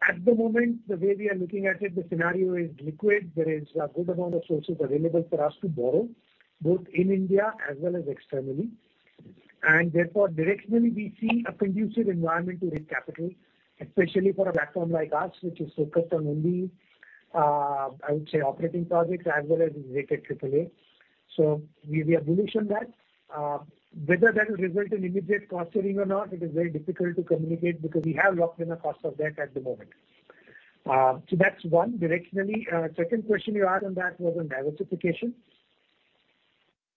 At the moment, the way we are looking at it, the scenario is liquid. There is a good amount of sources available for us to borrow, both in India as well as externally. Therefore directionally, we see a conducive environment to raise capital, especially for a platform like ours, which is focused on only, I would say, operating projects as well as rated AAA. We are bullish on that. Whether that will result in immediate cost saving or not, it is very difficult to communicate because we have locked in a cost of debt at the moment. That's one directionally. Second question you had on that was on diversification.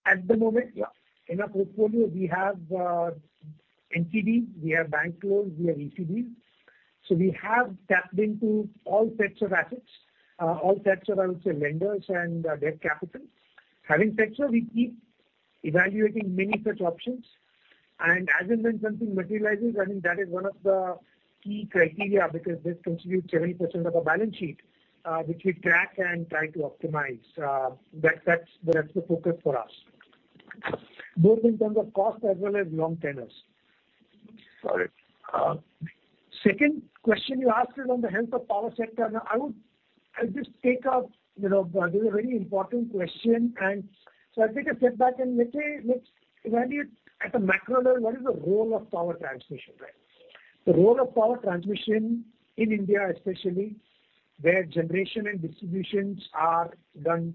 At the moment, in our portfolio, we have NCD, we have bank loans, we have ECB. We have tapped into all sets of assets, all sets of, I would say, lenders and debt capital. Having said so, we keep evaluating many such options. As and when something materializes, I think that is one of the key criteria because this contributes 70% of our balance sheet, which we track and try to optimize. That's the focus for us, both in terms of cost as well as long tenures. Got it. Second question you asked is on the health of power sector. This is a very important question. I'll take a step back and let's evaluate at a macro level, what is the role of power transmission? The role of power transmission in India especially, where generation and distributions are done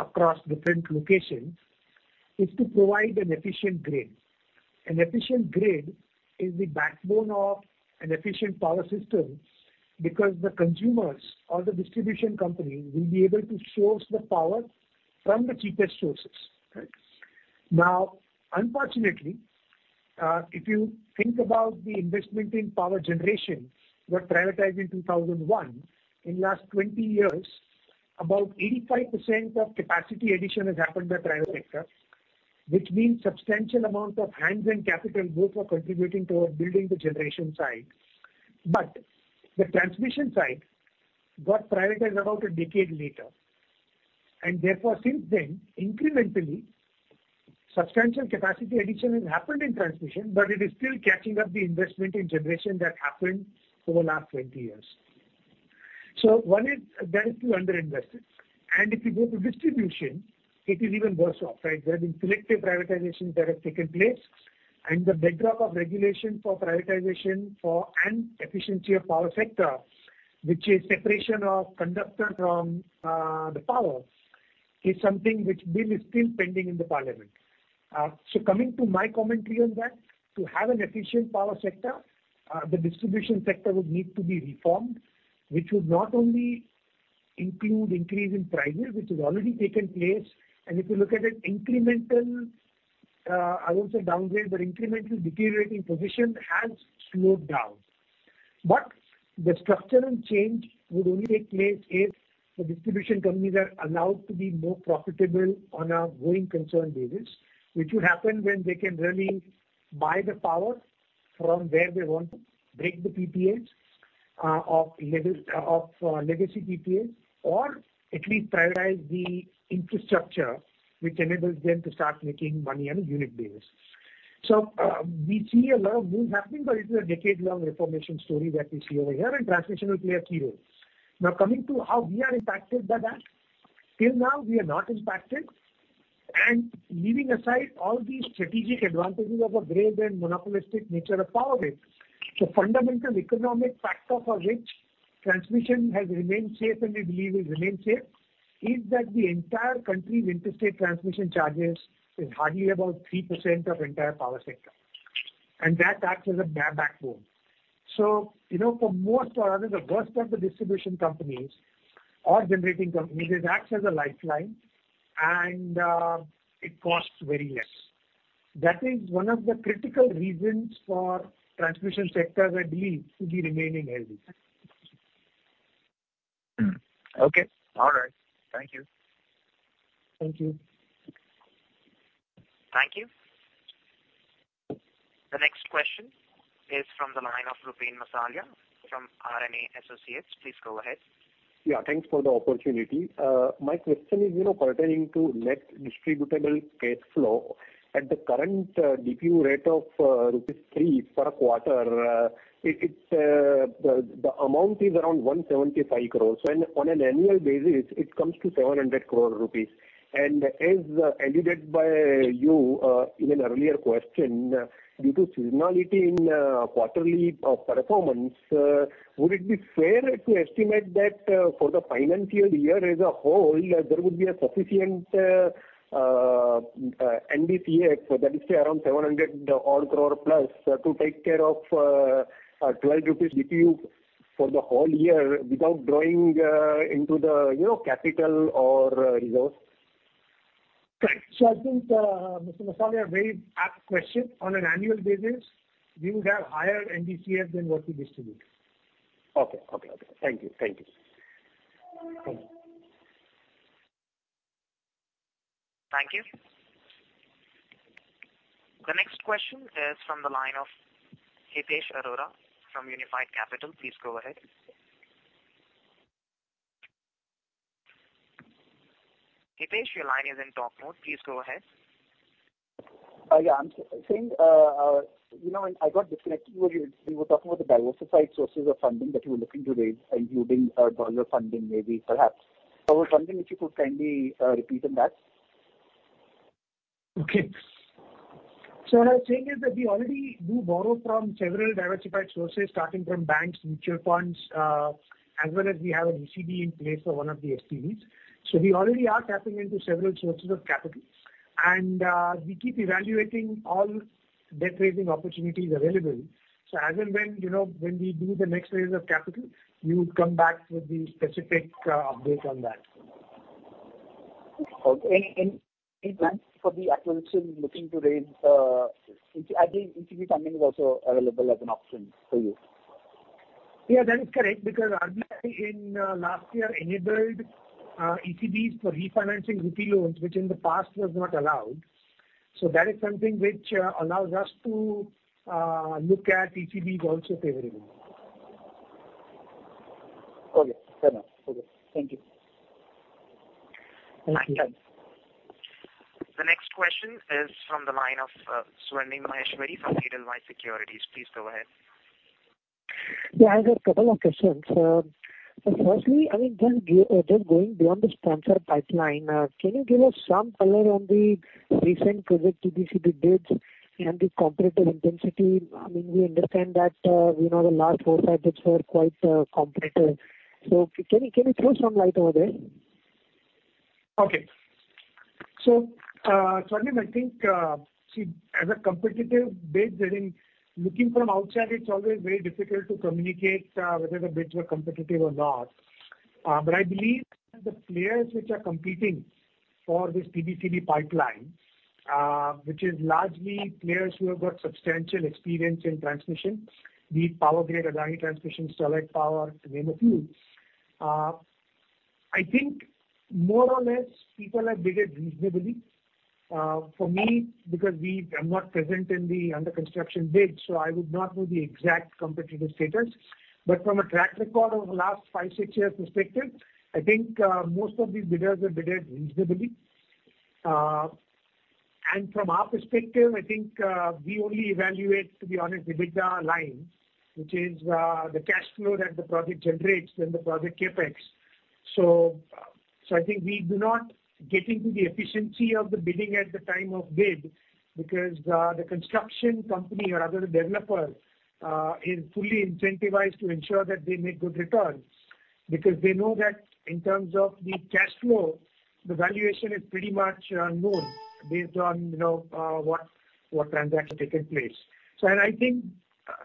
across different locations, is to provide an efficient grid. An efficient grid is the backbone of an efficient power system because the consumers or the distribution company will be able to source the power from the cheapest sources. Unfortunately, if you think about the investment in power generation got prioritized in 2001. In last 20 years, about 85% of capacity addition has happened by private sector, which means substantial amount of hands and capital both are contributing towards building the generation side. The transmission side got prioritized about a decade later. Therefore since then, incrementally, substantial capacity addition has happened in transmission, but it is still catching up the investment in generation that happened over last 20 years. One is that is too under-invested. If you go to distribution, it is even worse off. There have been selective privatizations that have taken place and the backdrop of regulation for privatization for an efficiency of power sector, which is separation of conductor from the power, is something which bill is still pending in the parliament. Coming to my commentary on that, to have an efficient power sector, the distribution sector would need to be reformed, which would not only include increase in prices, which has already taken place. If you look at it incremental, I won't say downgrade, but incremental deteriorating position has slowed down. The structural change would only take place if the distribution companies are allowed to be more profitable on a going concern basis. Which would happen when they can really buy the power from where they want to break the PPAs of legacy PPAs or at least prioritize the infrastructure which enables them to start making money on a unit basis. We see a lot of move happening, but it is a decade-long reformation story that we see over here and transmission will play a key role. Now coming to how we are impacted by that. Till now we are not impacted and leaving aside all the strategic advantages of a grave and monopolistic nature of power grid. Fundamental economic factor for which transmission has remained safe and we believe will remain safe is that the entire country's interstate transmission charges is hardly about 3% of entire power sector. That acts as a backbone. For most or rather the worst of the distribution companies or generating companies, it acts as a lifeline and it costs very less. That is one of the critical reasons for transmission sector, I believe, to be remaining healthy. Okay. All right. Thank you. Thank you. Thank you. The next question is from the line of Rupen Masalia from RN Associates. Please go ahead. Yeah, thanks for the opportunity. My question is pertaining to net distributable cashflow. At the current DPU rate of rupees 3 per quarter, the amount is around 175 crore. On an annual basis, it comes to 700 crore rupees. As alluded by you in an earlier question, due to seasonality in quarterly performance, would it be fair to estimate that for the financial year as a whole, there would be a sufficient NDCF, that is around 700+ crore, to take care of 12 rupees DPU for the whole year without drawing into the capital or reserve? Correct. I think, Mr. Masalia, very apt question. On an annual basis, we would have higher NDCF than what we distribute. Okay. Thank you. Thank you. Thank you. The next question is from the line of Hitesh Arora from Unifi Capital. Please go ahead. Hitesh, your line is in talk mode. Please go ahead. Yeah. I got disconnected. You were talking about the diversified sources of funding that you were looking to raise, including dollar funding, maybe, perhaps. I was wondering if you could kindly repeat on that. Okay. What I was saying is that we already do borrow from several diversified sources, starting from banks, mutual funds, as well as we have an ECB in place for one of the SPVs. We already are tapping into several sources of capital, and we keep evaluating all debt-raising opportunities available. As and when we do the next raise of capital, we would come back with the specific update on that. Okay. For the acquisition, looking to raise, I think ECB funding is also available as an option for you. Yeah, that is correct, because RBI in last year enabled ECBs for refinancing rupee loans, which in the past was not allowed. That is something which allows us to look at ECBs also favorably. Okay. Fair enough. Okay. Thank you. Thank you. The next question is from the line of Swarnim Maheshwari from Edelweiss Securities. Please go ahead. Yeah. I have couple of questions. Firstly, just going beyond the sponsored pipeline, can you give us some color on the recent project TBCB bids and the competitive intensity? We understand that the last four, five bids were quite competitive. Can you throw some light over there? Okay. Swarnim, I think, see, as a competitive bid, I think looking from outside, it's always very difficult to communicate whether the bids were competitive or not. I believe that the players which are competing for this TBCB pipeline, which is largely players who have got substantial experience in transmission, be it Power Grid, Adani Transmission, Sterlite Power, to name a few. I think more or less, people have bidded reasonably. For me, because we are not present in the under construction bid, so I would not know the exact competitive status. From a track record of last five, six years perspective, I think most of these bidders have bidded reasonably. From our perspective, I think, we only evaluate, to be honest, the EBITDA line, which is the cash flow that the project generates and the project CapEx. I think we do not get into the efficiency of the bidding at the time of bid because the construction company or rather the developer is fully incentivized to ensure that they make good returns. They know that in terms of the cash flow, the valuation is pretty much known based on what transaction had taken place. I think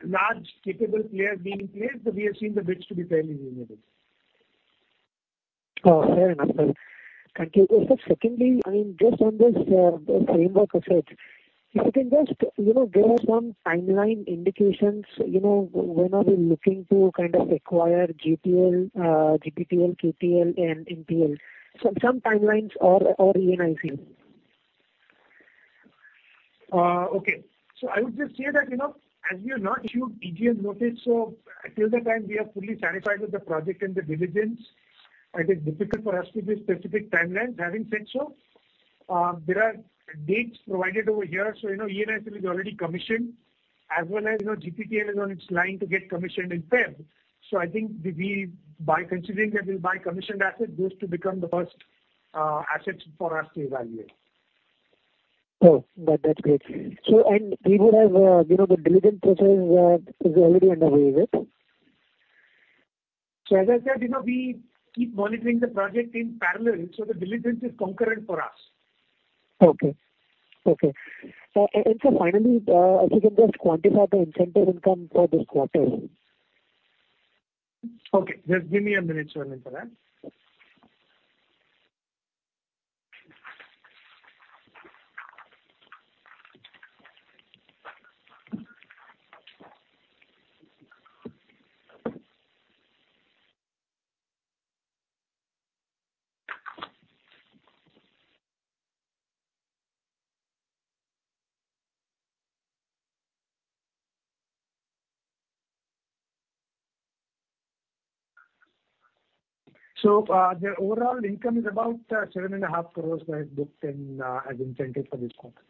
large capable players being in place, so we have seen the bids to be fairly reasonable. Oh, fair enough, sir. Thank you. Sir, secondly, just on this framework asset, if you can just give us some timeline indications, when are we looking to kind of acquire GPTL, GPPL, KNTL and NTL, some timelines or ENICL? Okay. I would just say that, as we are not issued EGM notice, so till the time we are fully satisfied with the project and the dividends, I think difficult for us to give specific timeline. Having said so, there are dates provided over here. ENICL is already commissioned, as well as GPPL is on its line to get commissioned in February. I think by considering that we'll buy commissioned assets, those to become the first assets for us to evaluate. Oh, that's great. We would have the diligent process is already underway with? As I said, we keep monitoring the project in parallel, so the diligence is concurrent for us. Okay. Sir finally, if you can just quantify the incentive income for this quarter?. Just give me a minute, Swarnim, for that. The overall income is about 7.5 crore that is booked in as incentive for this quarter.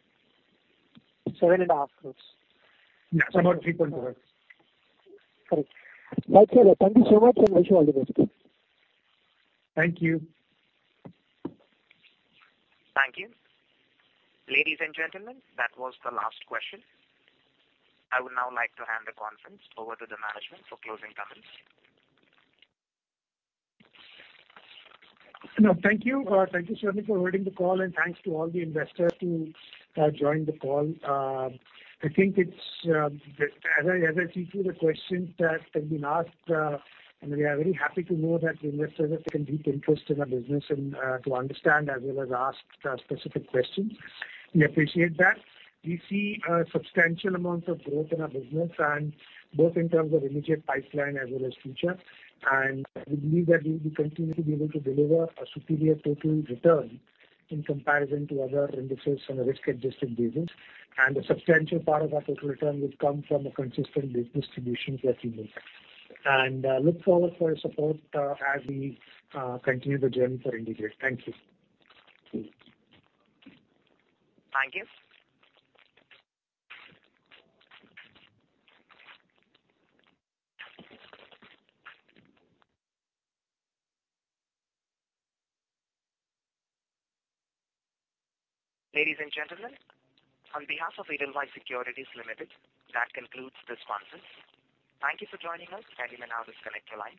7.5 crore? Yeah. 7-8 crore. Correct. Right, sir. Thank you so much. Wish you all the best. Thank you. Thank you. Ladies and gentlemen, that was the last question. I would now like to hand the conference over to the management for closing comments. Thank you. Thank you, Swarnim, for holding the call. Thanks to all the investors who joined the call. As I see through the questions that have been asked, we are very happy to know that the investors have taken deep interest in our business and to understand as well as ask specific questions. We appreciate that. We see substantial amounts of growth in our business and both in terms of IndiGrid pipeline as well as future. We believe that we will continue to be able to deliver a superior total return in comparison to other indices on a risk-adjusted basis. A substantial part of our total return will come from a consistent distribution to our unit holders. And I look forward for your support as we continue the journey for IndiGrid. Thank you. Thank you. Ladies and gentlemen, on behalf of Edelweiss Securities Limited, that concludes this conference. Thank you for joining us. You may now disconnect your lines.